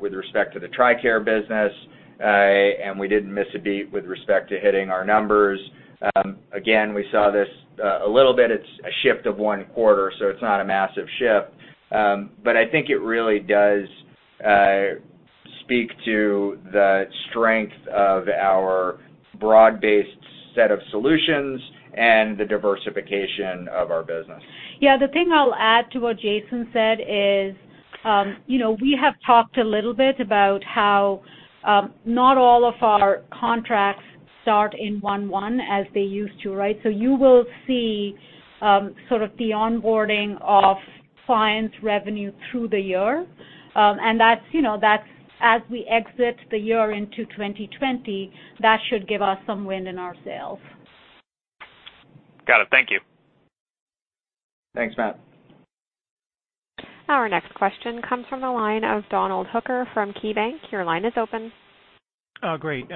with respect to the TRICARE business, we didn't miss a beat with respect to hitting our numbers. Again, we saw this a little bit. It's a shift of one quarter, it's not a massive shift. I think it really does speak to the strength of our broad-based set of solutions and the diversification of our business. Yeah, the thing I'll add to what Jason said is, we have talked a little bit about how not all of our contracts start in 1/1 as they used to, right? You will see the onboarding of clients revenue through the year. As we exit the year into 2020, that should give us some wind in our sails. Got it. Thank you. Thanks, Matt. Our next question comes from the line of Donald Hooker from KeyBanc. Your line is open. Great.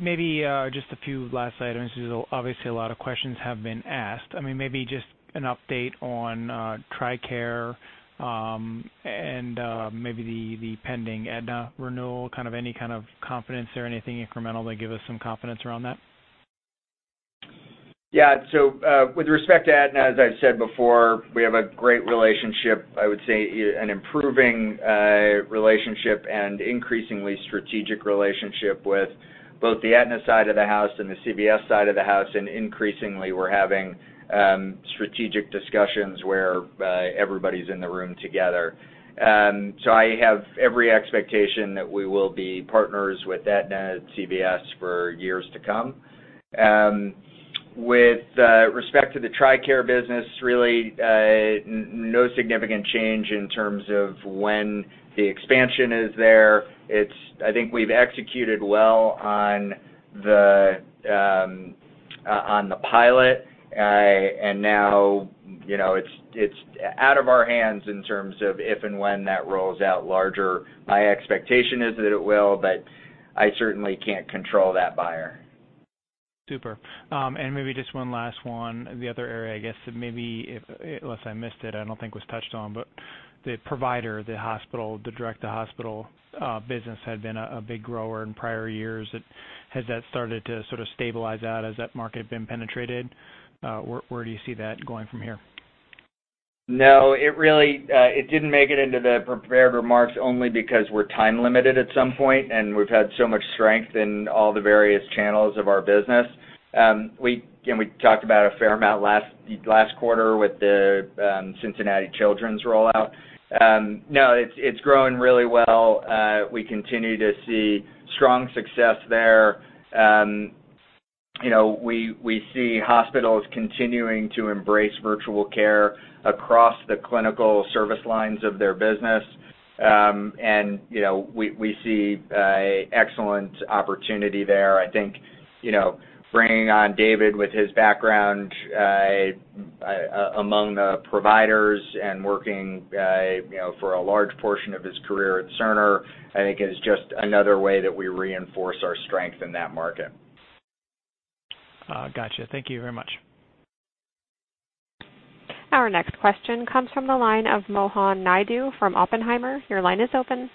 Maybe just a few last items. Obviously, a lot of questions have been asked. Maybe just an update on TRICARE, and maybe the pending Aetna renewal, any kind of confidence there, anything incremental to give us some confidence around that? Yeah. With respect to Aetna, as I've said before, we have a great relationship. I would say an improving relationship and increasingly strategic relationship with both the Aetna side of the house and the CVS side of the house. Increasingly, we're having strategic discussions where everybody's in the room together. I have every expectation that we will be partners with Aetna and CVS for years to come. With respect to the TRICARE business, no significant change in terms of when the expansion is there. I think we've executed well on the pilot. Now, it's out of our hands in terms of if and when that rolls out larger. My expectation is that it will. I certainly can't control that buyer. Super. Maybe just one last one. The other area, I guess maybe, unless I missed it, I don't think was touched on, but the provider, the hospital, the direct-to-hospital business had been a big grower in prior years. Has that started to sort of stabilize out? Has that market been penetrated? Where do you see that going from here? No. It didn't make it into the prepared remarks, only because we're time limited at some point, and we've had so much strength in all the various channels of our business. We talked about a fair amount last quarter with the Cincinnati Children's rollout. No, it's growing really well. We continue to see strong success there. We see hospitals continuing to embrace virtual care across the clinical service lines of their business. We see excellent opportunity there. I think, bringing on David with his background among the providers and working for a large portion of his career at Cerner, I think is just another way that we reinforce our strength in that market. Got you. Thank you very much. Our next question comes from the line of Mohan Naidu from Oppenheimer. Your line is open.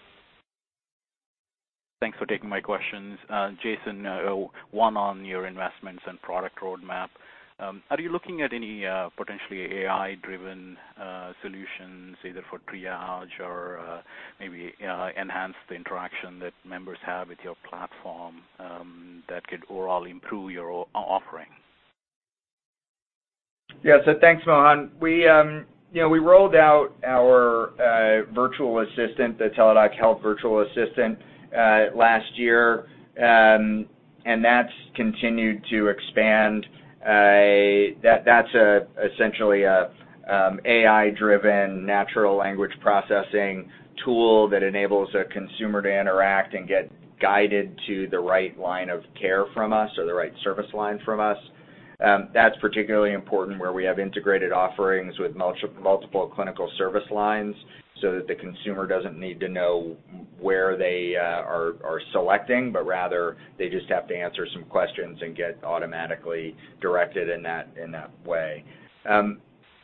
Thanks for taking my questions. Jason, one on your investments and product roadmap. Are you looking at any potentially AI-driven solutions, either for triage or maybe enhance the interaction that members have with your platform, that could overall improve your offerings? Yeah. Thanks, Mohan. We rolled out our virtual assistant, the Teladoc Health virtual assistant, last year, and that's continued to expand. That's essentially a AI-driven natural language processing tool that enables a consumer to interact and get guided to the right line of care from us or the right service line from us. That's particularly important where we have integrated offerings with multiple clinical service lines so that the consumer doesn't need to know where they are selecting, but rather they just have to answer some questions and get automatically directed in that way.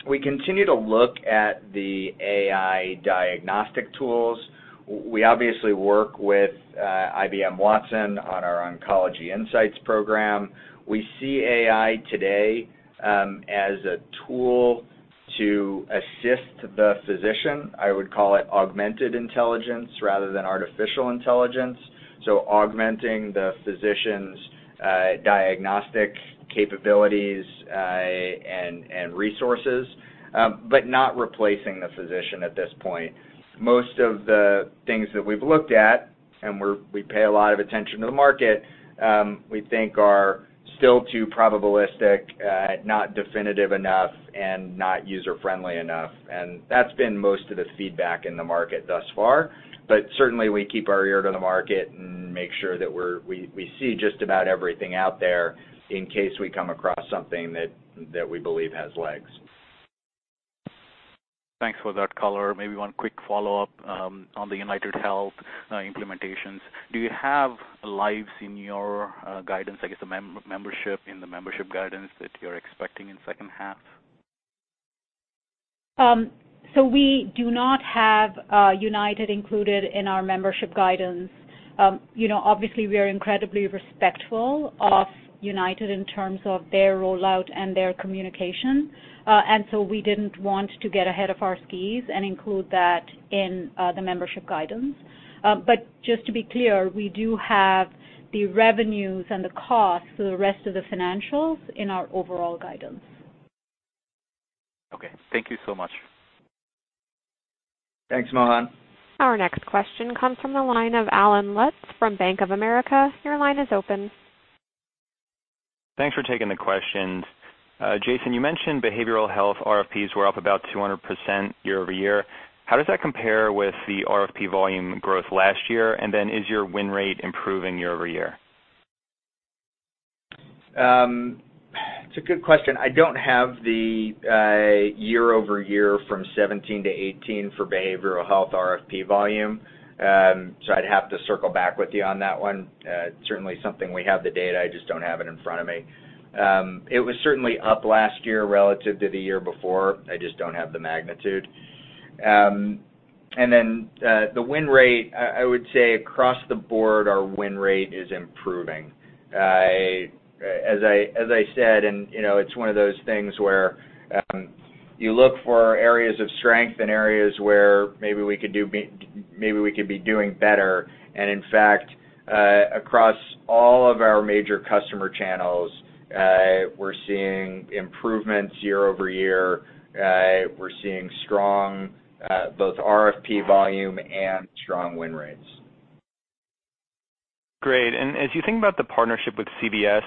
We continue to look at the AI diagnostic tools. We obviously work with IBM Watson on our Oncology Insights program. We see AI today as a tool to assist the physician. I would call it augmented intelligence rather than artificial intelligence. Augmenting the physician's diagnostic capabilities and resources, but not replacing the physician at this point. Most of the things that we've looked at, and we pay a lot of attention to the market, we think are still too probabilistic, not definitive enough and not user-friendly enough. That's been most of the feedback in the market thus far. Certainly, we keep our ear to the market and make sure that we see just about everything out there in case we come across something that we believe has legs. Thanks for that color. Maybe one quick follow-up on the UnitedHealthcare Health implementations. Do you have lives in your guidance, I guess, membership in the membership guidance that you're expecting in second half? We do not have UnitedHealthcare included in our membership guidance. Obviously, we are incredibly respectful of UnitedHealthcare in terms of their rollout and their communication. We didn't want to get ahead of our skis and include that in the membership guidance. Just to be clear, we do have the revenues and the costs for the rest of the financials in our overall guidance. Okay. Thank you so much. Thanks, Mohan. Our next question comes from the line of Allen Lutz from Bank of America. Your line is open. Thanks for taking the questions. Jason, you mentioned behavioral health RFPs were up about 200% year-over-year. How does that compare with the RFP volume growth last year? Is your win rate improving year-over-year? It's a good question. I don't have the year-over-year from 2017 to 2018 for behavioral health RFP volume, so I'd have to circle back with you on that one. Certainly something we have the data, I just don't have it in front of me. It was certainly up last year relative to the year before. I just don't have the magnitude. The win rate, I would say across the board, our win rate is improving. As I said, and it's one of those things where you look for areas of strength and areas where maybe we could be doing better. In fact, across all of our major customer channels, we're seeing improvements year-over-year. We're seeing strong both RFP volume and strong win rates. Great. As you think about the partnership with CVS,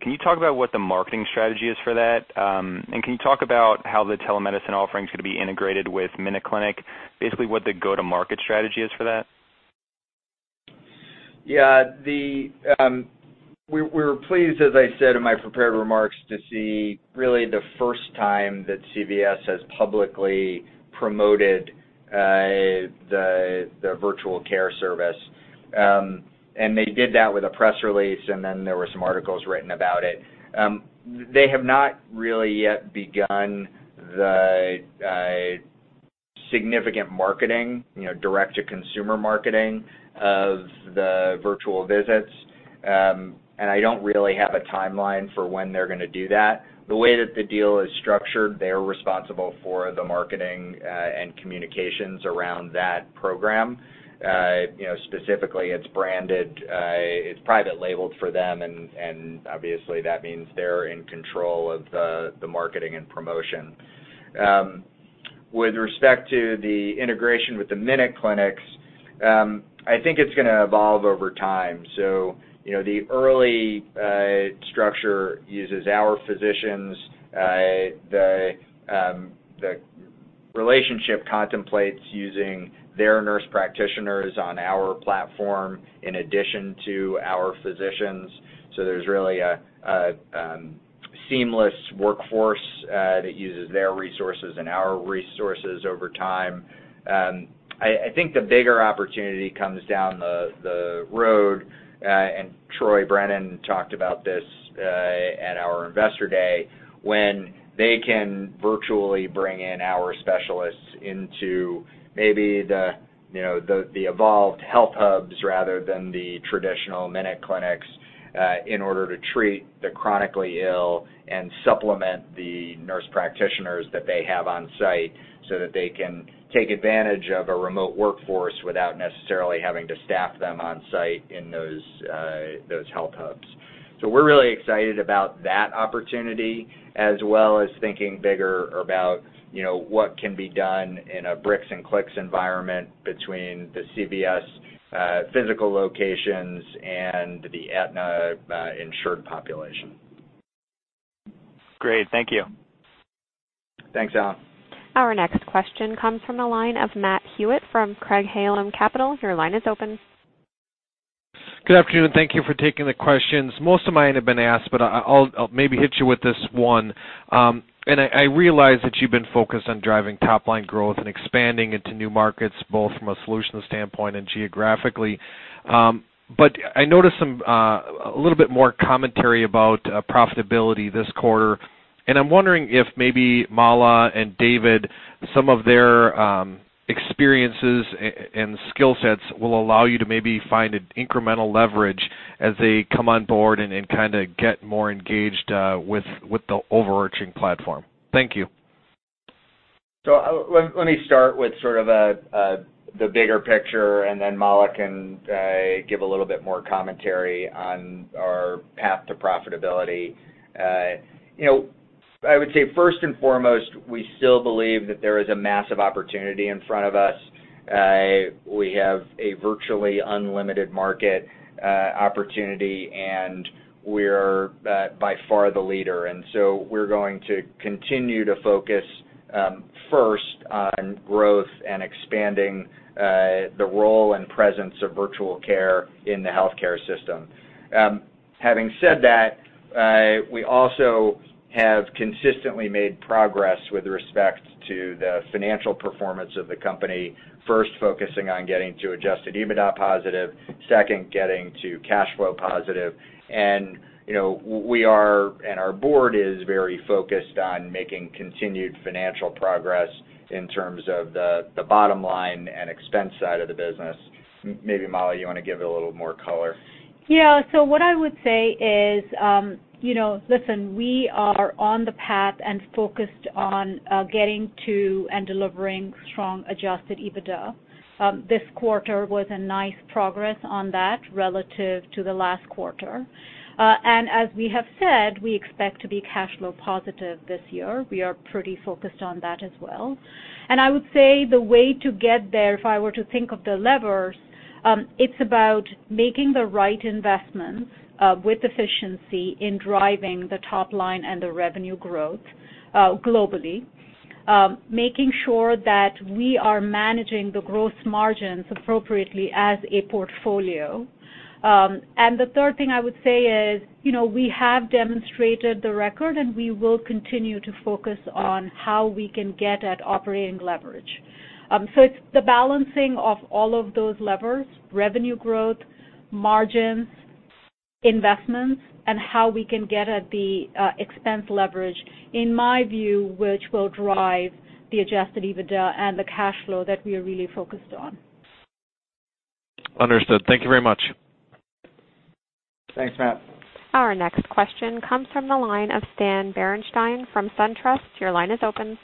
can you talk about what the marketing strategy is for that? Can you talk about how the telemedicine offering's going to be integrated with MinuteClinic, basically what the go-to-market strategy is for that? Yeah. We were pleased, as I said in my prepared remarks, to see really the first time that CVS has publicly promoted the virtual care service. They did that with a press release, and then there were some articles written about it. They have not really yet begun the significant marketing, direct-to-consumer marketing of the virtual visits. I don't really have a timeline for when they're going to do that. The way that the deal is structured, they're responsible for the marketing and communications around that program. Specifically, it's branded, it's private labeled for them, and obviously, that means they're in control of the marketing and promotion. With respect to the integration with the MinuteClinics, I think it's going to evolve over time. The early structure uses our physicians. The relationship contemplates using their nurse practitioners on our platform in addition to our physicians. There's really a seamless workforce that uses their resources and our resources over time. I think the bigger opportunity comes down the road, and Troy Brennan talked about this at our investor day, when they can virtually bring in our specialists into maybe the evolved health hubs rather than the traditional MinuteClinic, in order to treat the chronically ill and supplement the nurse practitioners that they have on site so that they can take advantage of a remote workforce without necessarily having to staff them on site in those health hubs. We're really excited about that opportunity, as well as thinking bigger about what can be done in a bricks-and-clicks environment between the CVS physical locations and the Aetna insured population. Great. Thank you. Thanks, Allen. Our next question comes from the line of Matthew Hewitt from Craig-Hallum Capital. Your line is open. Good afternoon. Thank you for taking the questions. Most of mine have been asked. I'll maybe hit you with this one. I realize that you've been focused on driving top-line growth and expanding into new markets, both from a solutions standpoint and geographically. I noticed a little bit more commentary about profitability this quarter. I'm wondering if maybe Mala and David, some of their experiences and skill sets will allow you to maybe find an incremental leverage as they come on board and kind of get more engaged with the overarching platform. Thank you. Let me start with sort of the bigger picture, then Mala can give a little bit more commentary on our path to profitability. I would say first and foremost, we still believe that there is a massive opportunity in front of us. We have a virtually unlimited market opportunity, and we're by far the leader. We're going to continue to focus first on growth and expanding the role and presence of virtual care in the healthcare system. Having said that, we also have consistently made progress with respect to the financial performance of the company. First, focusing on getting to adjusted EBITDA positive, second, getting to cash flow positive. Our board is very focused on making continued financial progress in terms of the bottom line and expense side of the business. Maybe Mala, you want to give it a little more color? Yeah. What I would say is, listen, we are on the path and focused on getting to and delivering strong adjusted EBITDA. This quarter was a nice progress on that relative to the last quarter. As we have said, we expect to be cash flow positive this year. We are pretty focused on that as well. I would say the way to get there, if I were to think of the levers, it's about making the right investments, with efficiency in driving the top line and the revenue growth globally making sure that we are managing the growth margins appropriately as a portfolio. The third thing I would say is, we have demonstrated the record, and we will continue to focus on how we can get at operating leverage. It's the balancing of all of those levers, revenue growth, margins, investments, and how we can get at the expense leverage, in my view, which will drive the adjusted EBITDA and the cash flow that we are really focused on. Understood. Thank you very much. Thanks, Matt. Our next question comes from the line of Stan Berenshteyn from SunTrust. Your line is open.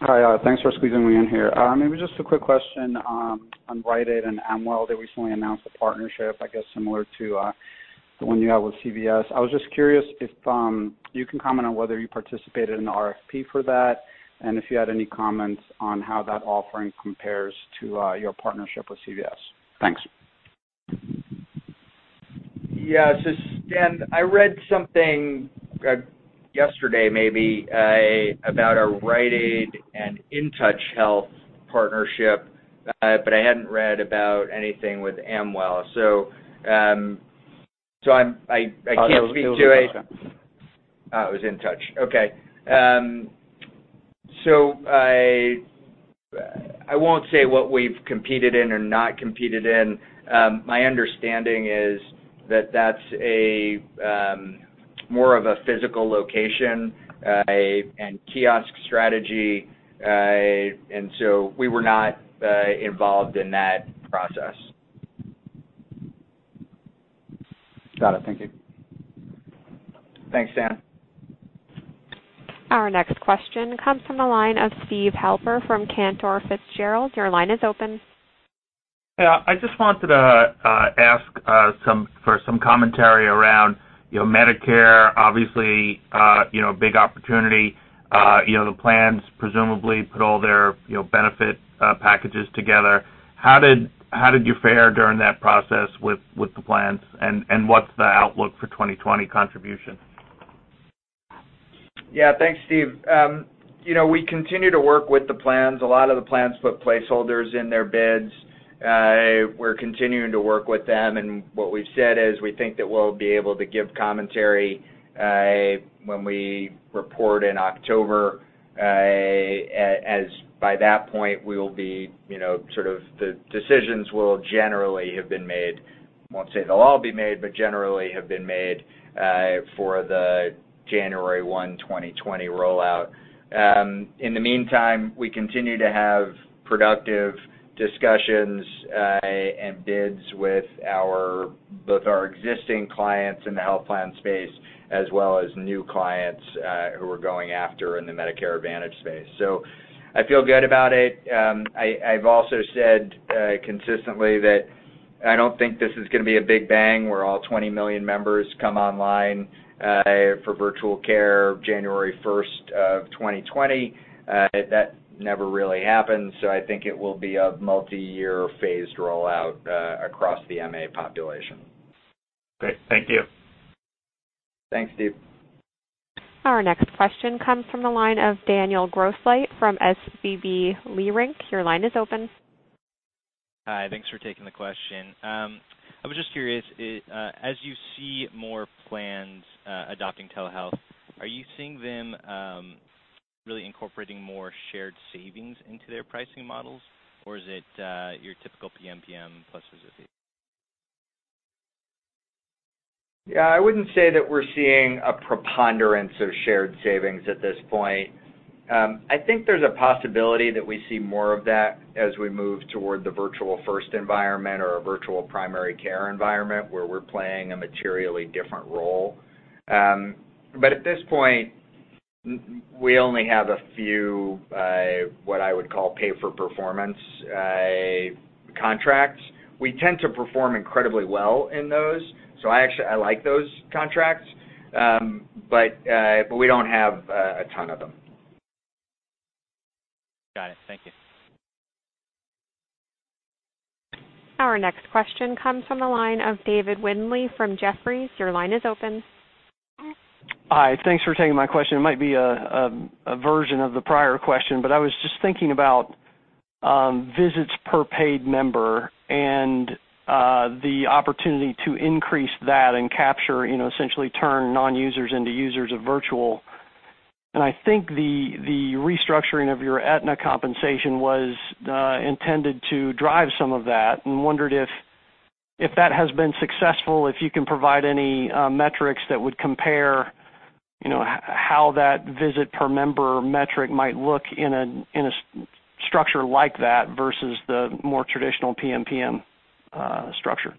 Hi. Thanks for squeezing me in here. Maybe just a quick question on Rite Aid and Amwell. They recently announced a partnership, I guess similar to the one you have with CVS. I was just curious if you can comment on whether you participated in the RFP for that, and if you had any comments on how that offering compares to your partnership with CVS. Thanks. Yeah. Stan, I read something yesterday maybe, about a Rite Aid and InTouch Health partnership, but I hadn't read about anything with Amwell. I can't speak to it. Oh, that was InTouch. It was InTouch. Okay. I won't say what we've competed in or not competed in. My understanding is that that's more of a physical location, and kiosk strategy. We were not involved in that process. Got it. Thank you. Thanks, Stan. Our next question comes from the line of Steve Halper from Cantor Fitzgerald. Your line is open. Yeah, I just wanted to ask for some commentary around Medicare, obviously, big opportunity, the plans presumably put all their benefit packages together. How did you fare during that process with the plans, and what's the outlook for 2020 contribution? Yeah. Thanks, Steve. We continue to work with the plans. A lot of the plans put placeholders in their bids. We're continuing to work with them, and what we've said is we think that we'll be able to give commentary, when we report in October, as by that point, the decisions will generally have been made. I won't say they'll all be made, but generally have been made, for the January 1, 2020 rollout. In the meantime, we continue to have productive discussions, and bids with both our existing clients in the health plan space as well as new clients, who we're going after in the Medicare Advantage space. I feel good about it. I've also said consistently that I don't think this is gonna be a big bang where all 20 million members come online, for virtual care January 1st of 2020. That never really happens. I think it will be a multi-year phased rollout, across the MA population. Great. Thank you. Thanks, Steve. Our next question comes from the line of Daniel Grosslight from SVB Leerink. Your line is open. Hi. Thanks for taking the question. I was just curious, as you see more plans adopting telehealth, are you seeing them really incorporating more shared savings into their pricing models, or is it your typical PMPM plus? Yeah, I wouldn't say that we're seeing a preponderance of shared savings at this point. I think there's a possibility that we see more of that as we move toward the virtual first environment or a virtual primary care environment where we're playing a materially different role. At this point, we only have a few, what I would call pay-for-performance contracts. We tend to perform incredibly well in those, so I like those contracts, but we don't have a ton of them. Got it. Thank you. Our next question comes from the line of David Windley from Jefferies. Your line is open. Hi. Thanks for taking my question. It might be a version of the prior question. I was just thinking about visits per paid member and the opportunity to increase that and capture, essentially turn non-users into users of virtual. I think the restructuring of your Aetna compensation was intended to drive some of that, and wondered if that has been successful, if you can provide any metrics that would compare how that visit per member metric might look in a structure like that versus the more traditional PMPM structure.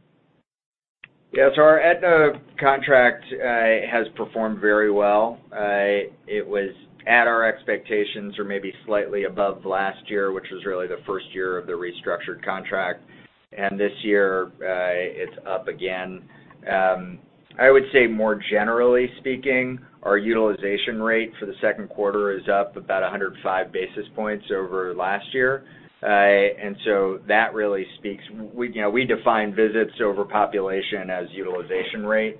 Our Aetna contract has performed very well. It was at our expectations or maybe slightly above last year, which was really the first year of the restructured contract. This year, it's up again. I would say more generally speaking, our utilization rate for the second quarter is up about 105 basis points over last year. We define visits over population as utilization rate.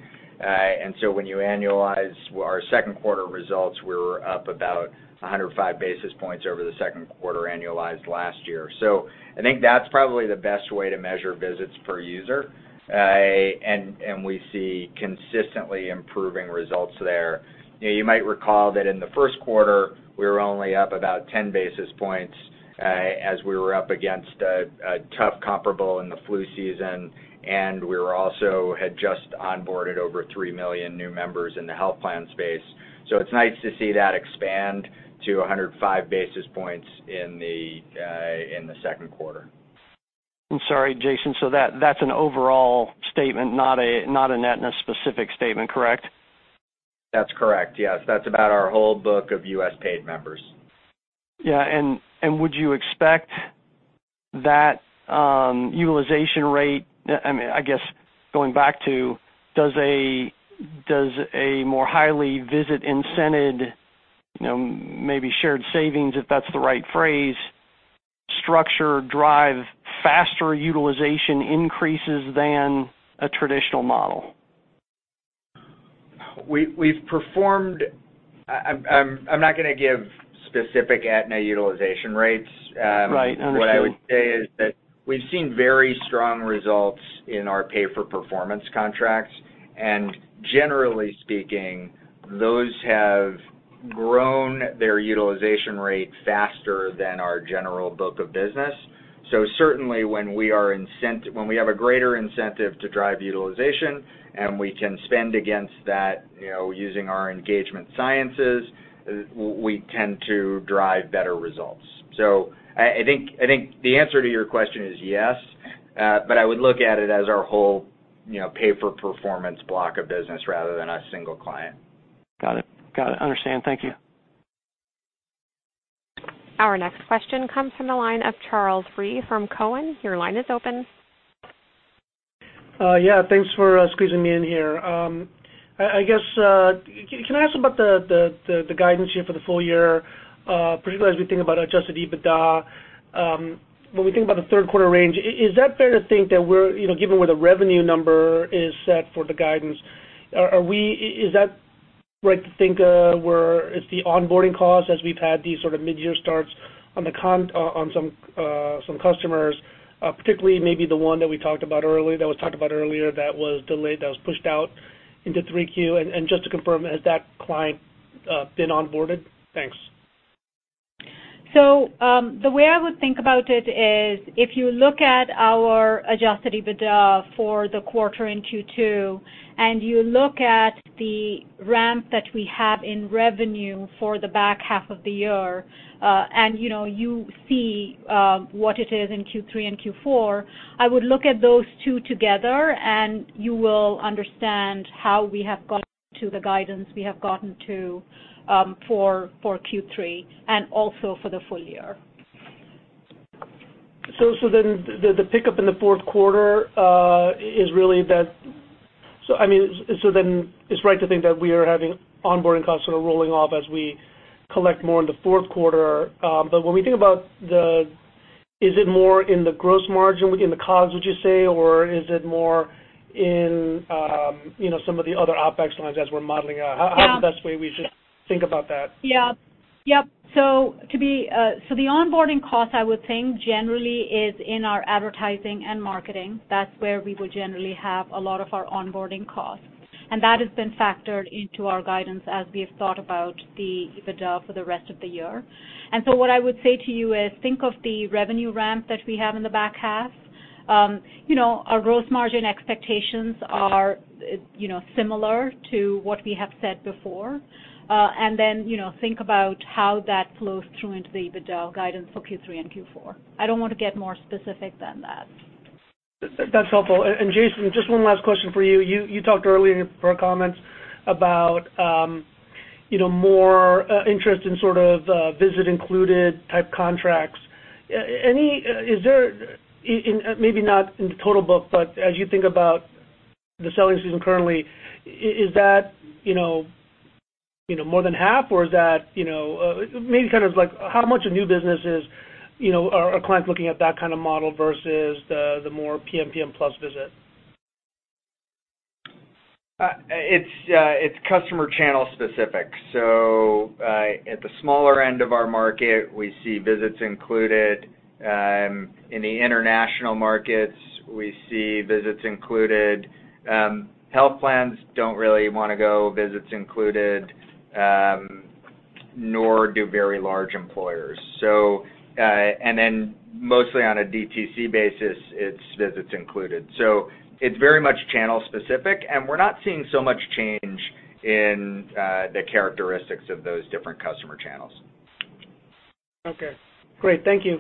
When you annualize our second quarter results, we're up about 105 basis points over the second quarter annualized last year. I think that's probably the best way to measure visits per user. We see consistently improving results there. You might recall that in the first quarter, we were only up about 10 basis points, as we were up against a tough comparable in the flu season, and we also had just onboarded over 3 million new members in the health plan space. It's nice to see that expand to 105 basis points in the second quarter. I'm sorry, Jason, that's an overall statement, not an Aetna-specific statement, correct? That's correct. Yes. That's about our whole book of U.S. paid members. Yeah. Would you expect that utilization rate, I guess going back to, does a more highly visit-incented, maybe shared savings, if that's the right phrase, structure drive faster utilization increases than a traditional model? I'm not going to give specific Aetna utilization rates. Right. Understood. What I would say is that we've seen very strong results in our pay-for-performance contracts. Generally speaking, those have grown their utilization rate faster than our general book of business. Certainly when we have a greater incentive to drive utilization and we can spend against that using our engagement sciences, we tend to drive better results. I think the answer to your question is yes, but I would look at it as our whole pay-for-performance block of business rather than a single client. Got it. Understand. Thank you. Our next question comes from the line of Charles Rhyee from Cowen. Your line is open. Yeah. Thanks for squeezing me in here. Can I ask about the guidance here for the full year? Particularly as we think about adjusted EBITDA. When we think about the third quarter range, is that fair to think that given where the revenue number is set for the guidance, is that right to think it's the onboarding cost as we've had these sort of mid-year starts on some customers, particularly maybe the one that was talked about earlier that was delayed, that was pushed out into 3Q? Just to confirm, has that client been onboarded? Thanks. The way I would think about it is, if you look at our adjusted EBITDA for the quarter in Q2, and you look at the ramp that we have in revenue for the back half of the year, and you see what it is in Q3 and Q4, I would look at those two together, and you will understand how we have gotten to the guidance we have gotten to for Q3 and also for the full year. It's right to think that we are having onboarding costs sort of rolling off as we collect more in the fourth quarter. When we think about, is it more in the gross margin within the costs, would you say? Is it more in some of the other OPEX lines as we're modeling? How's the best way we should think about that? The onboarding cost, I would think, generally is in our advertising and marketing. That's where we would generally have a lot of our onboarding costs. That has been factored into our guidance as we have thought about the EBITDA for the rest of the year. What I would say to you is think of the revenue ramp that we have in the back half. Our gross margin expectations are similar to what we have said before. Think about how that flows through into the EBITDA guidance for Q3 and Q4. I don't want to get more specific than that. That's helpful. Jason, just one last question for you. You talked earlier in your comments about more interest in sort of visit included type contracts. Maybe not in the total book, but as you think about the selling season currently, is that more than half? Maybe kind of like how much of new business are clients looking at that kind of model versus the more PMPM plus visit? It's customer channel specific. At the smaller end of our market, we see visits included. In the international markets, we see visits included. Health plans don't really want to go visits included, nor do very large employers. Mostly on a DTC basis, it's visits included. It's very much channel specific, and we're not seeing so much change in the characteristics of those different customer channels. Okay, great. Thank you.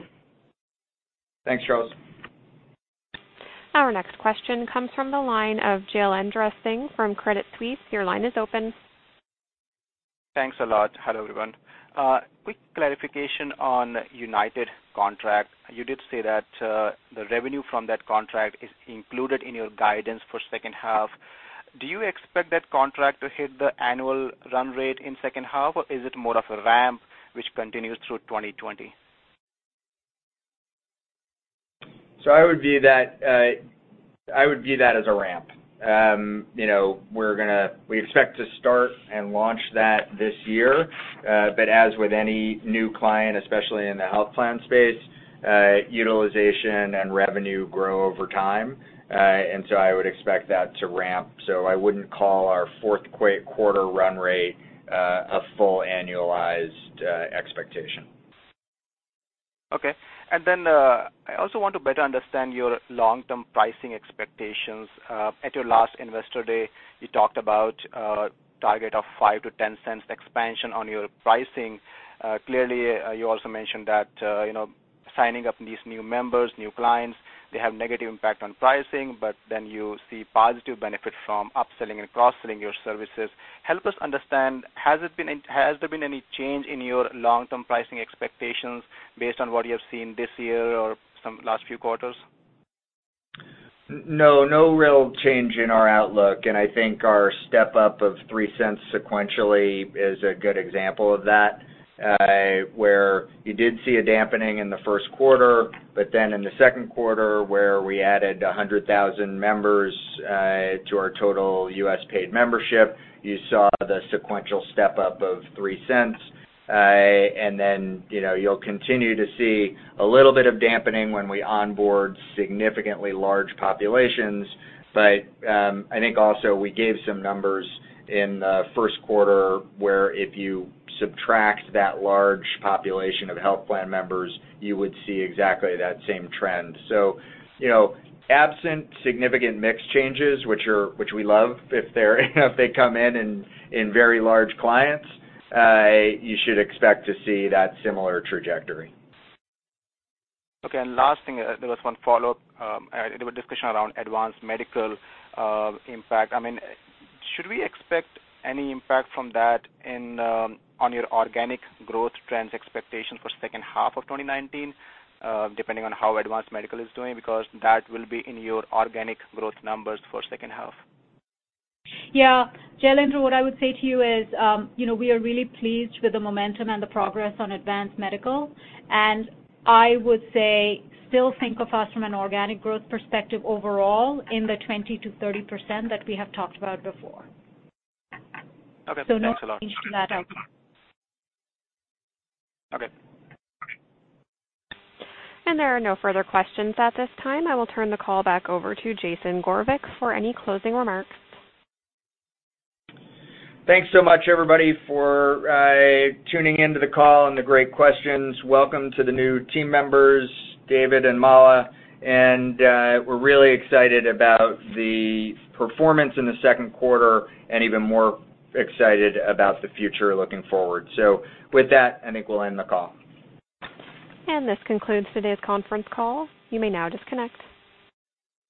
Thanks, Charles. Our next question comes from the line of Jailendra Singh from Credit Suisse. Your line is open. Thanks a lot. Hello, everyone. Quick clarification on UnitedHealthcare contract. You did say that the revenue from that contract is included in your guidance for second half. Do you expect that contract to hit the annual run rate in second half, or is it more of a ramp which continues through 2020? I would view that as a ramp. We expect to start and launch that this year. As with any new client, especially in the health plan space, utilization and revenue grow over time. I would expect that to ramp. I wouldn't call our fourth quarter run rate a full annualized expectation. Okay. I also want to better understand your long-term pricing expectations. At your last Investor Day, you talked about a target of $0.05-$0.10 expansion on your pricing. Clearly, you also mentioned that signing up these new members, new clients, they have negative impact on pricing, but then you see positive benefit from upselling and cross-selling your services. Help us understand, has there been any change in your long-term pricing expectations based on what you have seen this year or some last few quarters? No, no real change in our outlook. I think our step-up of $0.03 sequentially is a good example of that, where you did see a dampening in the first quarter, but then in the second quarter, where we added 100,000 members to our total U.S. paid membership, you saw the sequential step-up of $0.03. You'll continue to see a little bit of dampening when we onboard significantly large populations. I think also we gave some numbers in the first quarter where if you subtract that large population of health plan members, you would see exactly that same trend. Absent significant mix changes, which we love if they come in in very large clients, you should expect to see that similar trajectory. Okay. Last thing, there was one follow-up. There were discussion around Advance Medical impact. Should we expect any impact from that on your organic growth trends expectation for second half of 2019, depending on how Advance Medical is doing? That will be in your organic growth numbers for second half. Yeah. Jalendra, what I would say to you is, we are really pleased with the momentum and the progress on Advance Medical, and I would say still think of us from an organic growth perspective overall in the 20% to 30% that we have talked about before. Okay. Thanks a lot. No change to that outlook. Okay. There are no further questions at this time. I will turn the call back over to Jason Gorevic for any closing remarks. Thanks so much, everybody, for tuning into the call and the great questions. Welcome to the new team members, David and Mala, and we're really excited about the performance in the second quarter and even more excited about the future looking forward. With that, I think we'll end the call. This concludes today's conference call. You may now disconnect.